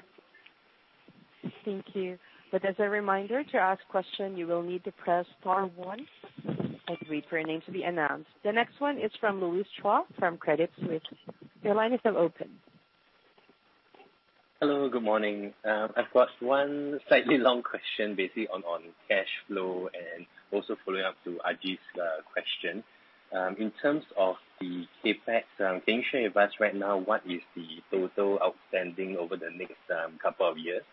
Thank you. As a reminder, to ask question, you will need to press star one and wait for your name to be announced. The next one is from Louis Chua from Credit Suisse. Your line has been opened. Hello, good morning. I've got one slightly long question basically on cash flow and also following up to Ajith's question. In terms of the CapEx, can you share with us right now what is the total outstanding over the next couple of years,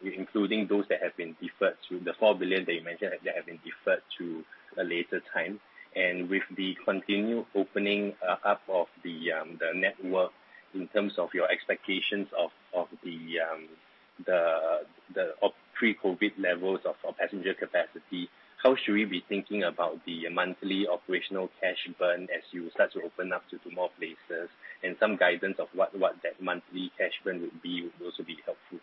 including those that have been deferred to the 4 billion that you mentioned that have been deferred to a later time? With the continued opening up of the network in terms of your expectations of the pre-COVID levels of passenger capacity, how should we be thinking about the monthly operational cash burn as you start to open up to more places and some guidance of what that monthly cash burn would be would also be helpful.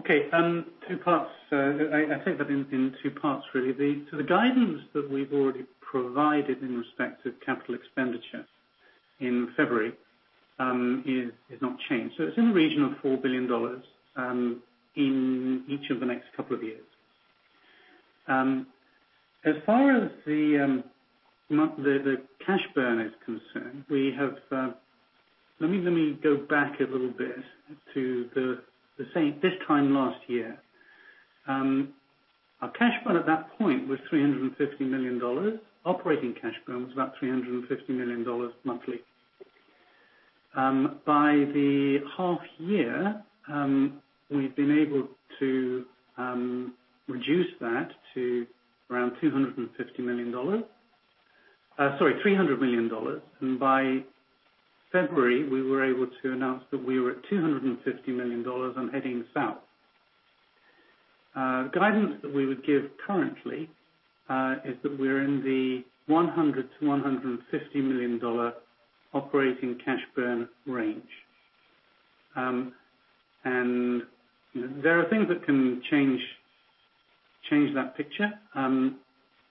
Okay. Two parts. I'd say that in two parts, really. The guidance that we've already provided in respect of CapEx in February, is not changed. It's in the region of 4 billion dollars in each of the next couple of years. As far as the cash burn is concerned, let me go back a little bit to, say, this time last year. Our cash burn at that point was 350 million dollars. Operating cash burn was about 350 million dollars monthly. By the half year, we'd been able to reduce that to around 250 million dollars. Sorry, 300 million dollars. By February, we were able to announce that we were at 250 million dollars and heading south. Guidance that we would give currently, is that we're in the 100 million-150 million dollar operating cash burn range. There are things that can change that picture.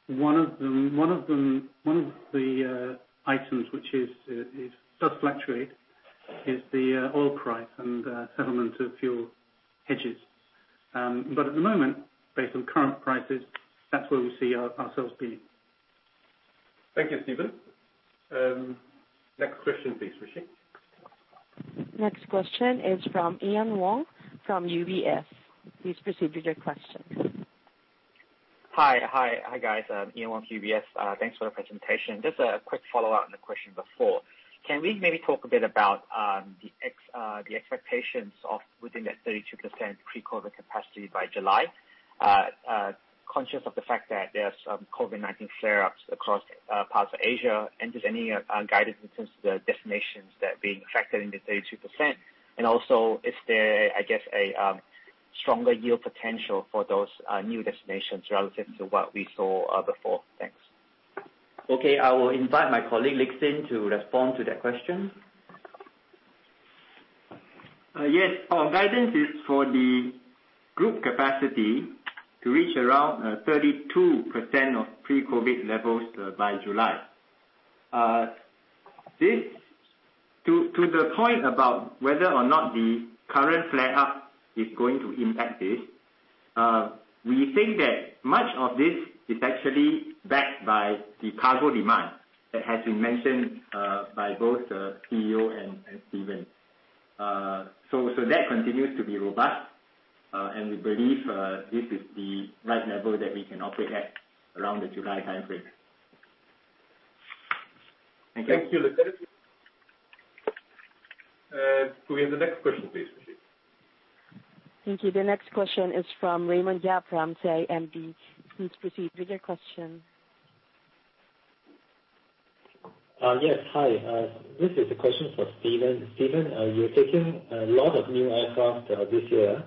One of the items which is self-explanatory is the oil price and settlement of fuel hedges. At the moment, based on current prices, that's where we see ourselves being. Thank you, Stephen. Next question please, Rishi. Next question is from Ian Wong from UBS. Please proceed with your question. Hi, guys. Ian Wong, UBS. Thanks for the presentation. Just a quick follow-up on the question before. Can we maybe talk a bit about the expectations of within that 32% pre-COVID capacity by July? Conscious of the fact that there are some COVID-19 flare-ups across parts of Asia. Just any guidance in terms of the destinations that are being tracked in the 32%. Also if there, I guess, a stronger yield potential for those new destinations relative to what we saw before. Thanks. Okay. I will invite my colleague, Lee Lik Hsin, to respond to that question. Yes. Our guidance is for the group capacity to reach around 32% of pre-COVID-19 levels by July. To the point about whether or not the current flare-up is going to impact this, we think that much of this is actually backed by the cargo demand that has been mentioned by both the CEO and Stephen Barnes. That continues to be robust, and we believe this is the right level that we can operate at around the July timeframe. Thank you, Lee Lik Hsin. Can we have the next question, please, Rishi? Thank you. The next question is from Raymond Yap from CIMB. Please proceed with your question. Yes. Hi. This is a question for Stephen. Stephen, you're taking a lot of new aircraft this year.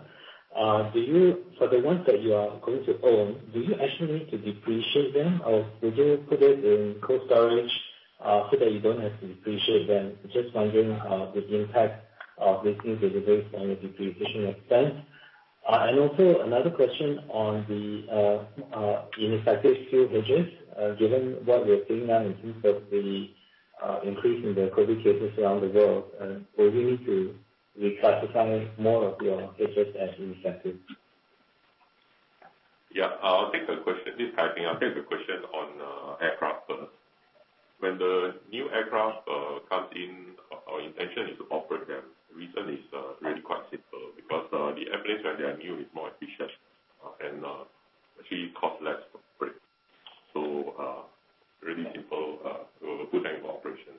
For the ones that you are going to own, do you actually need to depreciate them, or do you put it in cold storage so that you don't have to depreciate them? Just wondering the impact of taking these deliveries at a depreciation sense. Also another question on the ineffective fuel hedges. Given what we're seeing now in terms of the increase in the credit hedges around the world, do you need to reclassify more of your hedges as ineffective? Yeah. I'll take the question. I think I'll take the question on aircraft first. When the new aircraft comes in, our intention is to operate them. The reason is really quite simple, because the airplanes that are new is more efficient and actually cost less to operate. Really simple. A good angle operation.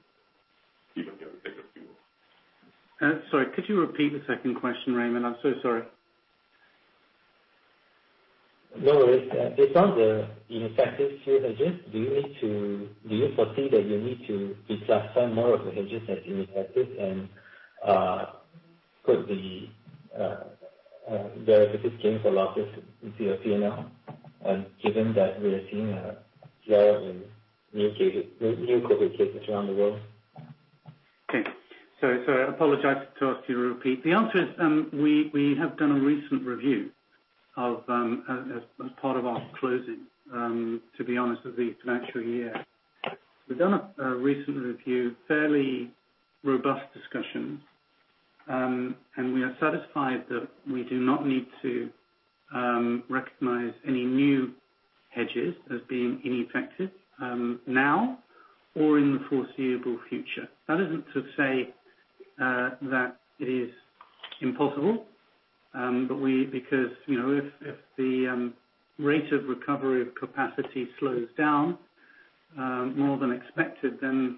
Stephen can take the fuel. Sorry, could you repeat the second question, Raymond? I'm so sorry. No worries. Because the ineffective fuel hedges, do you foresee that you need to reclassify more of the hedges as ineffective and put the derivative gains or losses into your P&L, given that we're seeing a jump in new credit risks around the world? Sorry. I apologize. I'll have to ask you to repeat. The answer is, we have done a recent review as part of our closing, to be honest, with the financial year. We've done a recent review, fairly robust discussion, we are satisfied that we do not need to recognize any new hedges as being ineffective now or in the foreseeable future. That isn't to say that it is impossible. If the rate of recovery of capacity slows down more than expected, it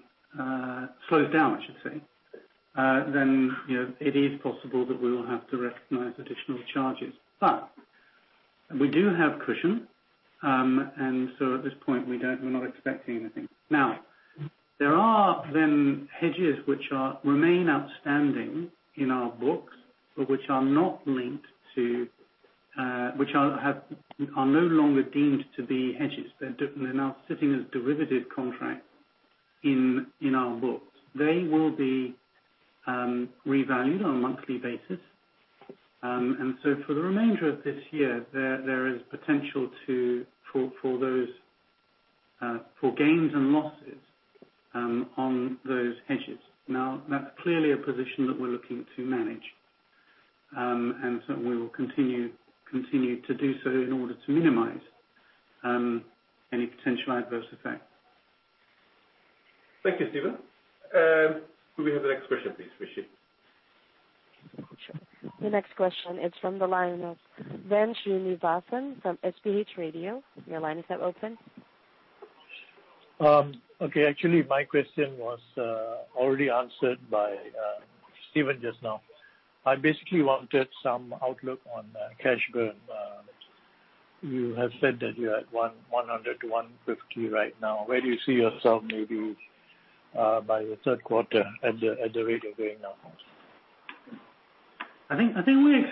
is possible that we will have to recognize additional charges. We do have cushion, at this point, we're not expecting anything. There are hedges which remain outstanding in our books, which are no longer deemed to be hedges. They're now sitting as derivative contracts in our books. They will be revalued on a monthly basis. For the remainder of this year, there is potential for gains and losses on those hedges. Now, that's clearly a position that we're looking to manage, and so we will continue to do so in order to minimize any potential adverse effects. Thank you, Stephen. Can we have the next question, please, Operator? The next question is from the line of Ven Sreenivasan from SPH Media. Your line is now open. Okay. Actually, my question was already answered by Stephen just now. I basically wanted some outlook on cash burn. You have said that you're at 100 million-150 million right now. Where do you see yourself maybe by the third quarter at the rate you're going now? I think we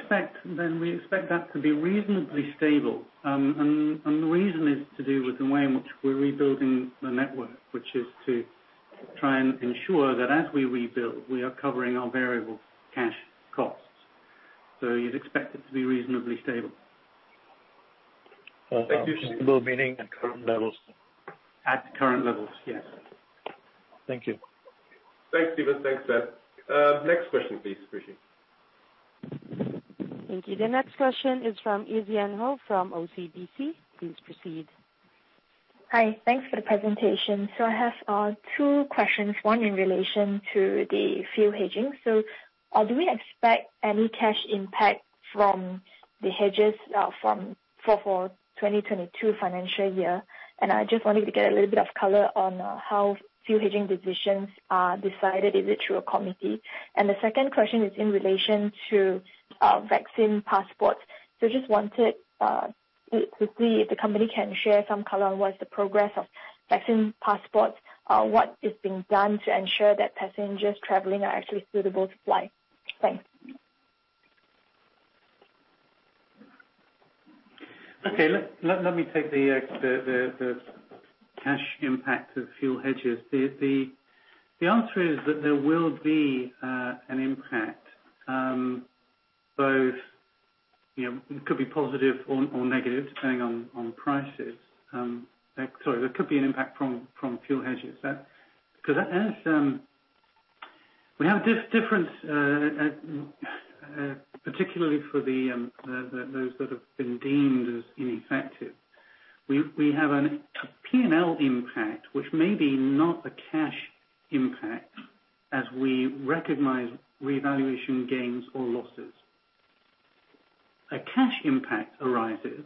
expect that to be reasonably stable. The reason is to do with the way in which we're rebuilding the network, which is to try and ensure that as we rebuild, we are covering our variable cash costs. You'd expect it to be reasonably stable. Okay. Just low, meaning at current levels? At current levels, yes. Thank you. Thanks, Stephen. Thanks, Ven. Next question, please, Operator. Thank you. The next question is from Ezien Hoo from OCBC. Please proceed. Hi. Thanks for the presentation. I have two questions, one in relation to the fuel hedging. Do we expect any cash impact from the hedges for 2022 financial year? I just wanted to get a little bit of color on how fuel hedging positions are decided. Is it through a committee? The second question is in relation to vaccine passports. Just wanted quickly if the company can share some color on what's the progress of vaccine passports, what is being done to ensure that passengers traveling are actually suitable to fly? Thanks. Okay. Let me take the cash impact of fuel hedges. The answer is that there will be an impact. It could be positive or negative, depending on prices. Sorry, there could be an impact from fuel hedges. We have this difference, particularly for those that have been deemed as ineffective. We have a P&L impact, which may be not a cash impact as we recognize revaluation gains or losses. A cash impact arises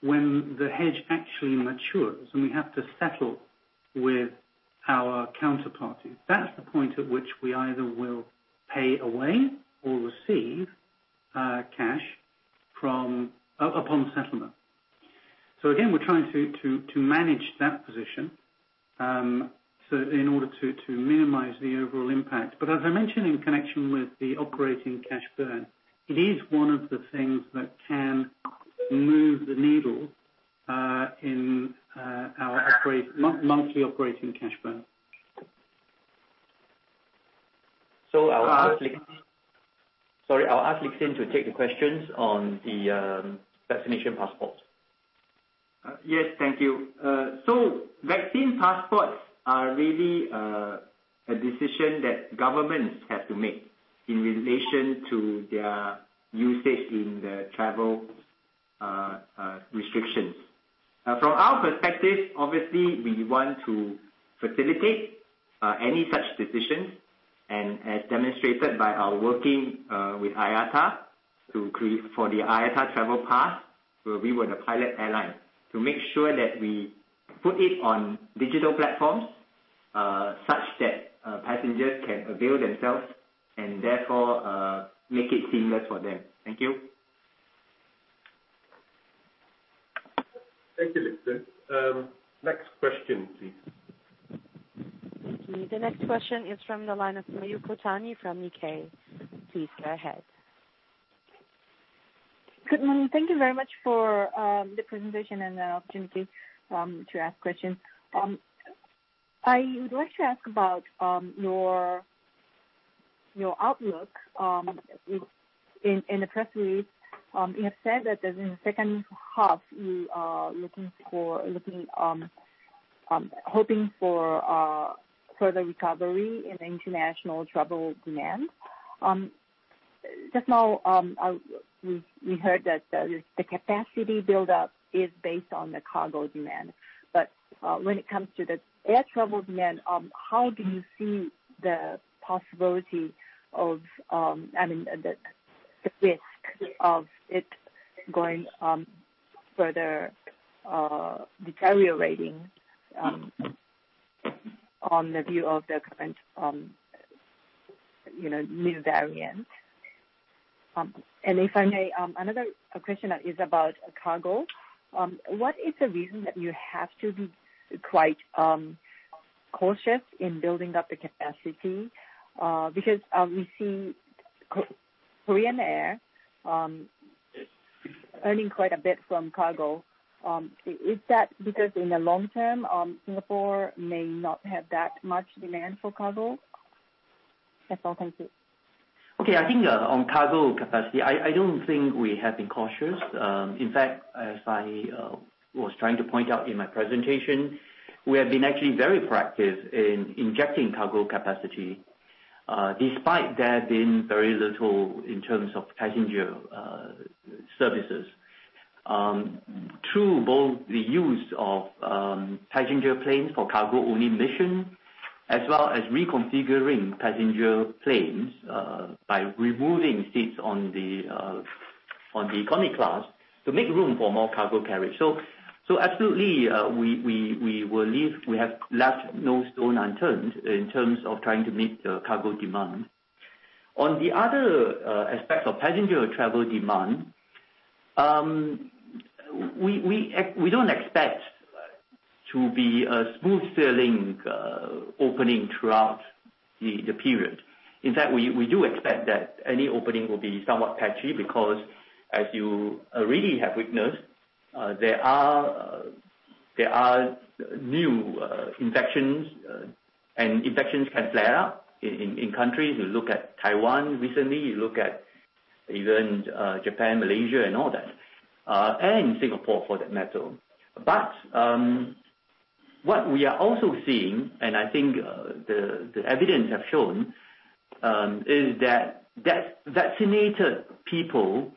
when the hedge actually matures, and we have to settle with our counterparties. That's the point at which we either will pay away or receive cash upon settlement. Again, we're trying to manage that position in order to minimize the overall impact. As I mentioned in connection with the operating cash burn, it is one of the things that can move the needle in our monthly operating cash burn. I'll ask Lee Lik Hsin. Sorry, I'll ask Lee Lik Hsin to take the questions on the vaccination passports. Yes, thank you. Vaccine passports are really a decision that governments have to make in relation to their usage in their travel restrictions. From our perspective, obviously, we want to facilitate any such decisions and as demonstrated by our working with IATA for the IATA Travel Pass, where we were the pilot airline to make sure that we put it on digital platforms such that passengers can avail themselves and therefore make it seamless for them. Thank you. Thank you, Lee Lik Hsin. Next question, please. The next question is from the line of Mayuko Tani from Nikkei Please go ahead. Good morning. Thank you very much for the presentation and the opportunity to ask questions. I would like to ask about your outlook. In the first week, you have said that in the second half you are hoping for further recovery in international travel demand. Just now we heard that the capacity buildup is based on the cargo demand. When it comes to the air travel demand, how do you see the possibility of, and the risk of it going further deteriorating on the view of the current new variant? If I may, another question is about cargo. What is the reason that you have to be quite cautious in building up the capacity? Obviously Korean Air earning quite a bit from cargo. Is that because in the long term Singapore may not have that much demand for cargo? That's all. Thank you. Okay. I think on cargo capacity, I don't think we have been cautious. As I was trying to point out in my presentation, we have been actually very proactive in injecting cargo capacity, despite there being very little in terms of passenger services. Through both the use of passenger planes for cargo-only mission as well as reconfiguring passenger planes by removing seats on the economy class to make room for more cargo carriage. Absolutely, we believe we have left no stone unturned in terms of trying to meet the cargo demand. On the other aspect of passenger travel demand, we don't expect to be a smooth sailing opening throughout the period. We do expect that any opening will be somewhat patchy because as you already have witnessed there are new infections and infections can flare up in countries. You look at Taiwan recently, you look at even Japan, Malaysia, and all that and in Singapore for that matter. What we are also seeing, and I think the evidence has shown is that vaccinated people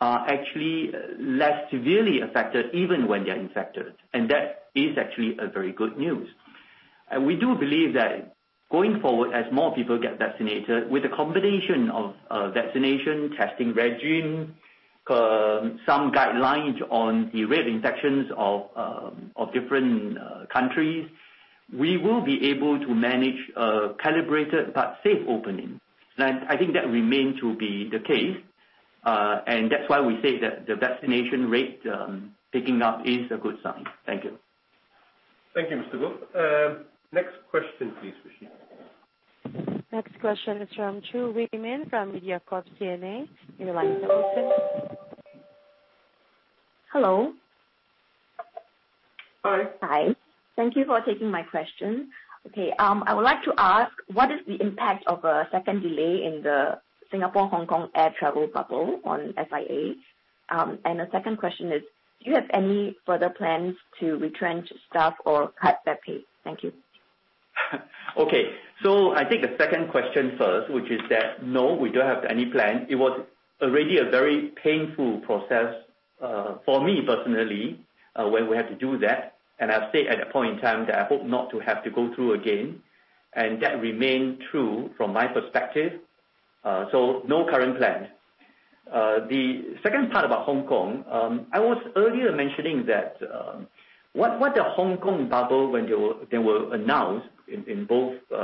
are actually less severely affected even when they're infected and that is actually a very good news. We do believe that going forward as more people get vaccinated with a combination of vaccination, testing regime, some guidelines on the rate infections of different countries, we will be able to manage a calibrated but safe opening. I think that remains to be the case and that's why we say that the vaccination rate ticking up is a good sign. Thank you. Thank you, Mr. Goh. Next question, please, Rishi. Next question is from Chew Hui Min from MediaCorp CNA. Your line is open. Hello. Hi. Thank you for taking my question. I would like to ask what is the impact of a second delay in the Singapore-Hong Kong Air Travel Bubble on SIA? The second question is, do you have any further plans to retrench staff or cut their pay? Thank you. I'll take the second question first, which is that no, we don't have any plans. It was already a very painful process for me personally when we had to do that. I said at that point in time that I hope not to have to go through again and that remains true from my perspective. No current plans. The second part about Hong Kong. I was earlier mentioning what the Hong Kong travel, when they were announced in both the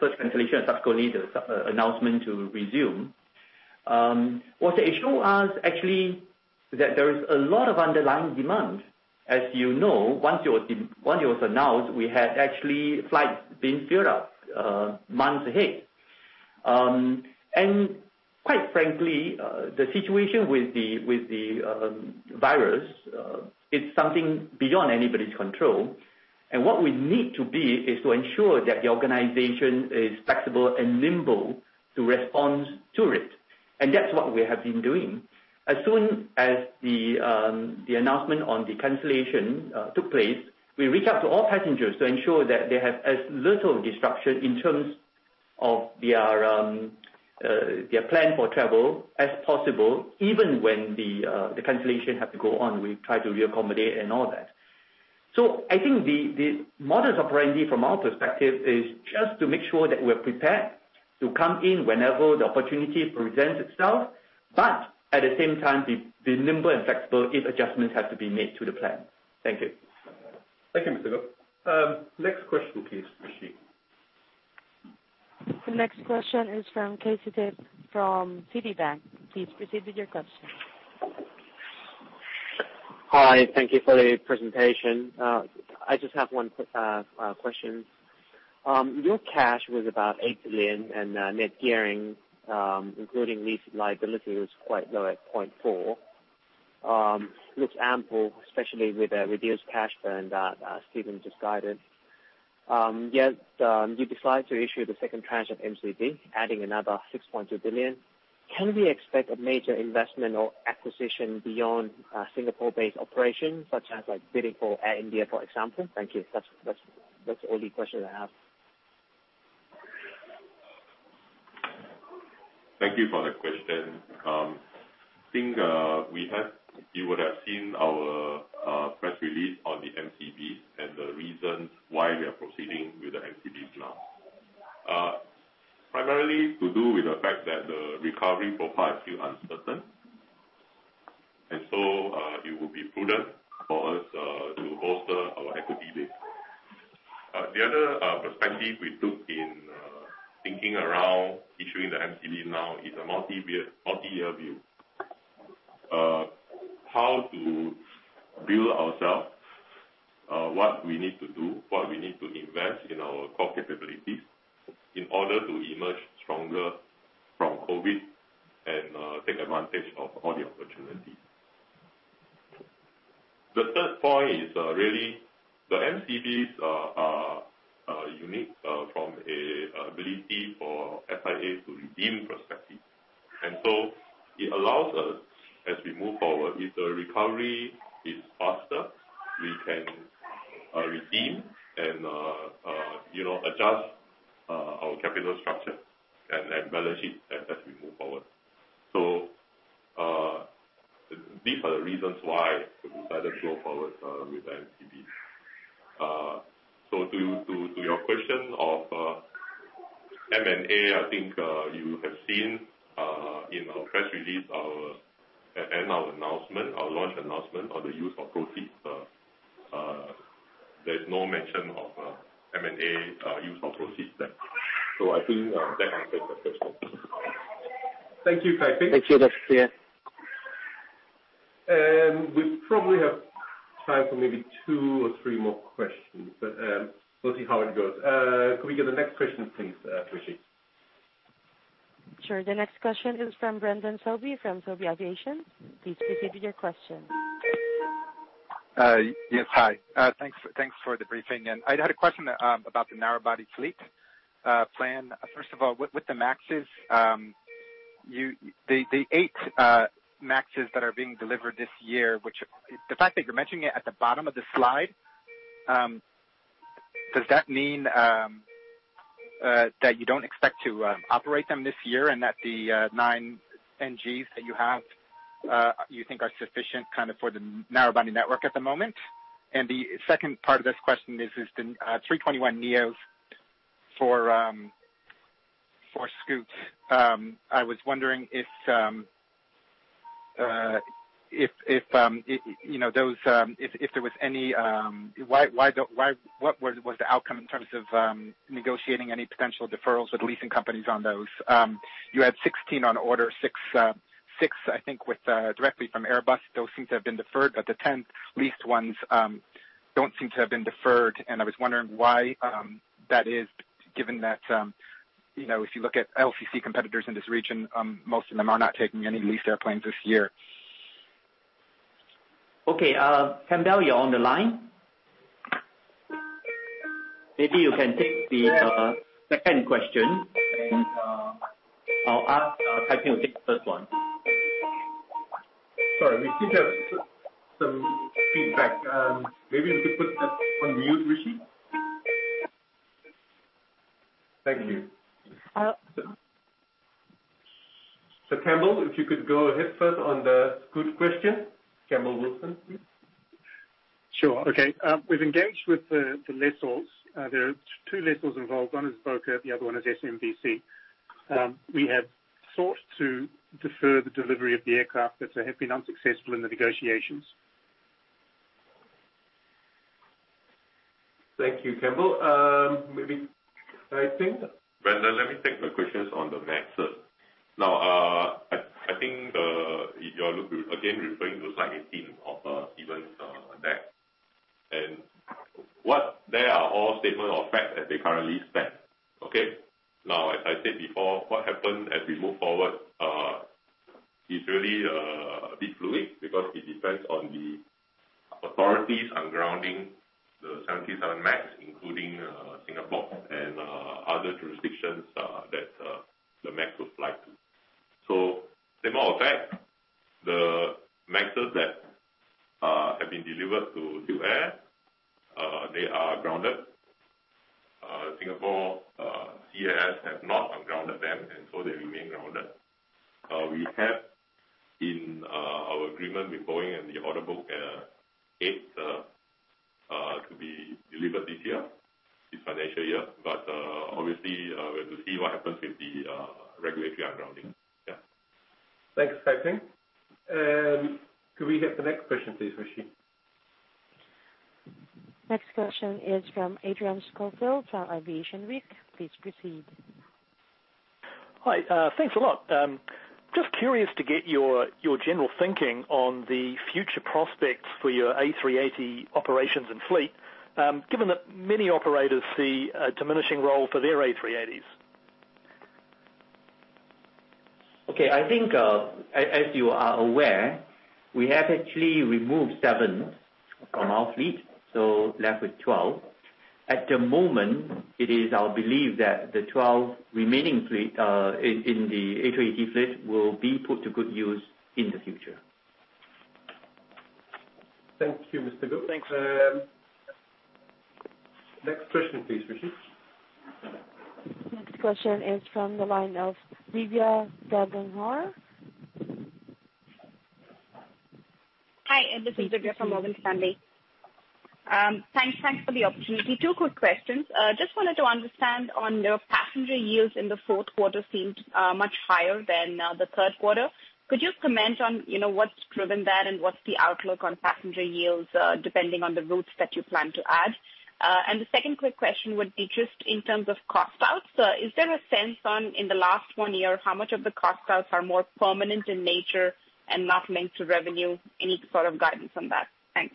first cancellation, subsequently the announcement to resume. What they show us actually that there is a lot of underlying demand. As you know, once it was announced, we had actually flights being filled up months ahead. Quite frankly, the situation with the virus is something beyond anybody's control. What we need to be is to ensure that the organization is flexible and nimble to respond to it. That's what we have been doing. As soon as the announcement on the cancellation took place, we reached out to all passengers to ensure that they have as little disruption in terms of their plan for travel as possible. Even when the cancellation had to go on, we try to re-accommodate and all that. I think the modus operandi from our perspective is just to make sure that we're prepared to come in whenever the opportunity presents itself, but at the same time, be nimble and flexible if adjustments have to be made to the plan. Thank you. Thank you, Mr. Goh. Next question, please, Rishi. The next question is from Kaseedit from Citibank. Please proceed with your question. Hi. Thank you for the presentation. I just have one quick question. Your cash was about 8 billion and net gearing, including recent liability, was quite low at 0.4. Looks ample, especially with a reduced cash burn that Stephen just guided. You decide to issue the second tranche of MCB, adding another 6.2 billion. Can we expect a major investment or acquisition beyond Singapore-based operations, such as like bidding for Air India, for example? Thank you. That's the only question I have. Thank you for the question. I think you would have seen our press release on the MCB and the reasons why we are proceeding with the MCB now. Primarily to do with the fact that the recovery profile is still uncertain, it would be prudent for us to bolster our equity base. The other perspective we took in thinking around issuing the MCB now is a multi-year view. How to build ourselves, what we need to do, what we need to invest in our core capabilities in order to emerge stronger from COVID and take advantage of all the opportunities. The third point is really the MCBs are unique from an ability for SIA to redeem perspective. It allows us, as we move forward, if the recovery is faster, we can redeem and adjust our capital structure and manage it as we move forward. These are the reasons why we decided to go forward with MCB. To your question of M&A, I think you have seen in our press release and our launch announcement on the use of proceeds, there's no mention of M&A use of proceeds there. I think that answers that question. Thank you, Kaseedit. Thank you. That's clear. We probably have time for maybe two or three more questions, but we'll see how it goes. Can we get the next question, please, Rishi? Sure. The next question is from Brendan Sobie from Sobie Aviation. Please proceed with your question. Yes. Hi. Thanks for the briefing. I had a question about the narrow-body fleet plan. First of all, with the MAXs, the eight MAXs that are being delivered this year, which the fact that you're mentioning it at the bottom of the slide, does that mean that you don't expect to operate them this year and that the nine NGs that you have you think are sufficient for the narrow-body network at the moment? The second part of this question is the A321neos for Scoot. I was wondering what was the outcome in terms of negotiating any potential deferrals with leasing companies on those? You had 16 on order, six, I think, with directly from Airbus. Those seem to have been deferred, but the 10 leased ones don't seem to have been deferred. I was wondering why that is given that if you look at LCC competitors in this region, most of them are not taking any leased airplanes this year. Okay. Campbell, you're on the line. Maybe you can take the second question and I'll ask Kaseedit the first one. Sorry, we seem to have some feedback. Maybe if you could put that on mute, Rishi. Thank you. Campbell, if you could go ahead first on the Scoot question. Campbell Wilson, please. Sure. Okay. We've engaged with the lessors. There are two lessors involved. One is BOC Aviation, the other one is SMBC. We have sought to defer the delivery of the aircraft but have been unsuccessful in the negotiations. Thank you, Campbell. Maybe, Kai Ping? Let me take the questions on the MAX. I think you are again referring to slide 18 of Stephen's deck and what they are all statement of fact as they currently stand. Okay? As I said before, what happens as we move forward is really a bit fluid because it depends on the authorities ungrounding the Boeing 737 MAX, including Singapore and other jurisdictions that the MAX will fly to. Statement of fact, the MAX that have been delivered to SilkAir, they are grounded. Singapore CAAS have not ungrounded them, they remain grounded. We have in our agreement with Boeing and the order book eight to be delivered this year, this financial year. Obviously, we'll have to see what happens with the regulatory ungrounding. Yeah. Thanks, Kai Ping. Could we get the next question, please, Rishi? Next question is from Adrian Schofield from Aviation Week. Please proceed. Hi. Thanks a lot. Just curious to get your general thinking on the future prospects for your A380 operations and fleet, given that many operators see a diminishing role for their A380s? Okay. I think, as you are aware, we have actually removed seven from our fleet, so we're left with 12. At the moment, it is our belief that the 12 remaining in the A380 fleet will be put to good use in the future. Thank you, Mr. Goh. Next question, please, Rishi. Next question is from the line of Divya Gangahar. Hi, this is Divya from Morgan Stanley. Thanks for the opportunity. Two quick questions. Just wanted to understand on your passenger yields in the fourth quarter seemed much higher than the third quarter. Could you comment on what's driven that and what's the outlook on passenger yields depending on the routes that you plan to add? The second quick question would be just in terms of cost out. Is there a sense on, in the last one year how much of the cost outs are more permanent in nature and not linked to revenue? Any sort of guidance on that? Thanks.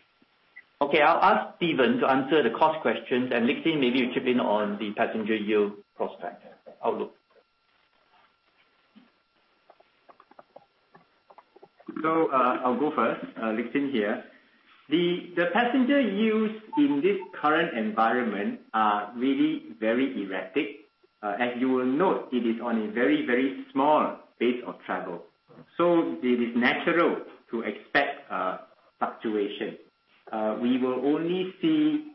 Okay. I will ask Stephen to answer the cost question, then Lik Hsin, maybe you chip in on the passenger yield prospect. Over to you. I'll go first. Lik Hsin here. The passenger yields in this current environment are really very erratic. As you will note, it is on a very, very small base of travel. It is natural to expect fluctuation. We will only see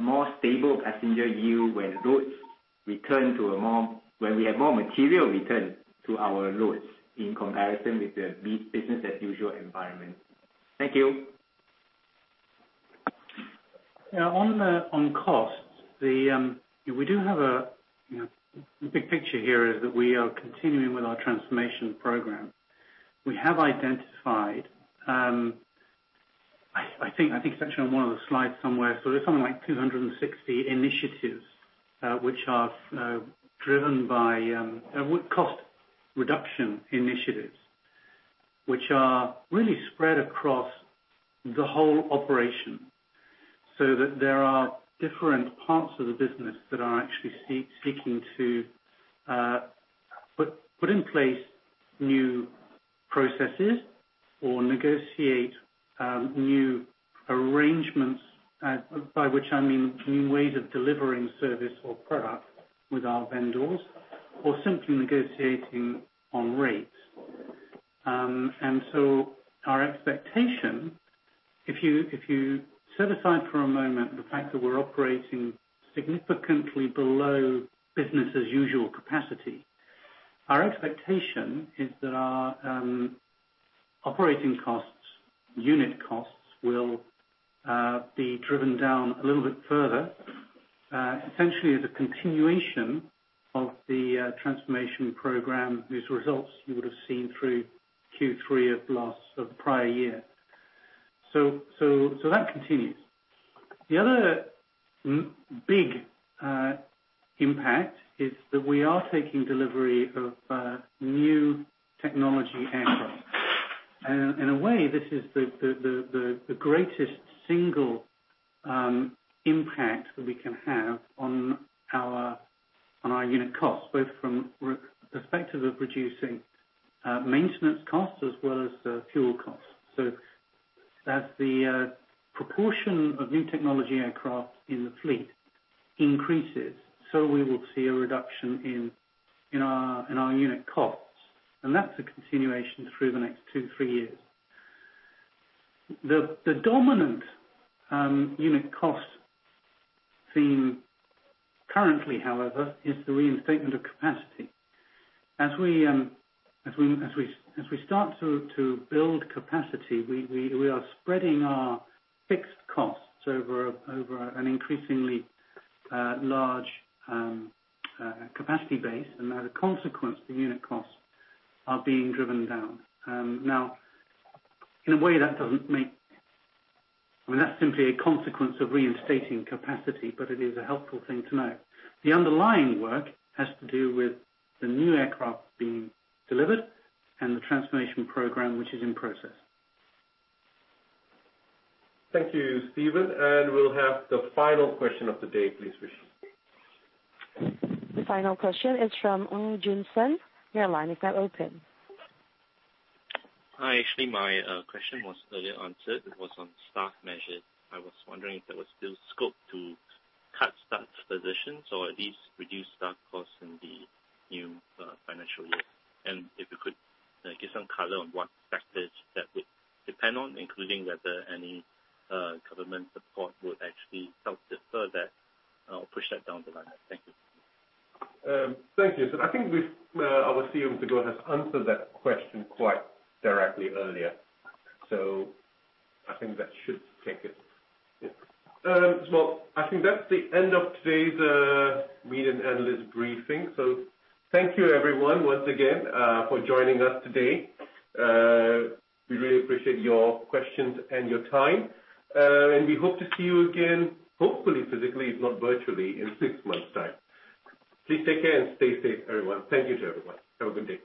more stable passenger yield when we have more material return to our loads in comparison with the business as usual environment. Thank you. On costs, the big picture here is that we are continuing with our transformation program. We have identified, I think it's actually on one of the slides somewhere, there's something like 260 initiatives which are driven by cost reduction initiatives, which are really spread across the whole operation, so that there are different parts of the business that are actually seeking to put in place new processes or negotiate new arrangements, by which I mean new ways of delivering service or product with our vendors or simply negotiating on rates. Our expectation, if you set aside for a moment the fact that we're operating significantly below business as usual capacity, our expectation is that our operating costs, unit costs, will be driven down a little bit further, essentially the continuation of the transformation program whose results you would have seen through Q3 of last prior year. That continues. The other big impact is that we are taking delivery of New Generation aircraft. In a way, this is the greatest single impact that we can have on our unit costs, both from the perspective of reducing maintenance costs as well as fuel costs. As the proportion of New Generation aircraft in the fleet increases, so we will see a reduction in our unit costs. That's a continuation through the next two, three years. The dominant unit cost theme currently, however, is the reinstatement of capacity. As we start to build capacity, we are spreading our fixed costs over an increasingly large capacity base, and as a consequence, the unit costs are being driven down. In a way, that's simply a consequence of reinstating capacity, but it is a helpful thing to know. The underlying work has to do with the new aircraft being delivered and the transformation program, which is in process. Thank you, Stephen. We'll have the final question of the day, please, Rishi. The final question is from Ng Jun Sen. Your line is now open. Hi. Actually, my question was earlier answered. It was on staff measures. I was wondering if there was still scope to cut staff positions or at least reduce staff costs in the new financial year. If you could give some color on what factors that would depend on, including whether any government support would actually help defer that or push that down the line. Thank you. Thank you. I think our CEO, Mr. Goh has answered that question quite directly earlier, so I think that should take it. I think that's the end of today's media and analyst briefing. Thank you everyone once again for joining us today. We really appreciate your questions and your time. We hope to see you again, hopefully physically, if not virtually, in six months' time. Please take care and stay safe, everyone. Thank you to everyone. Have a good day.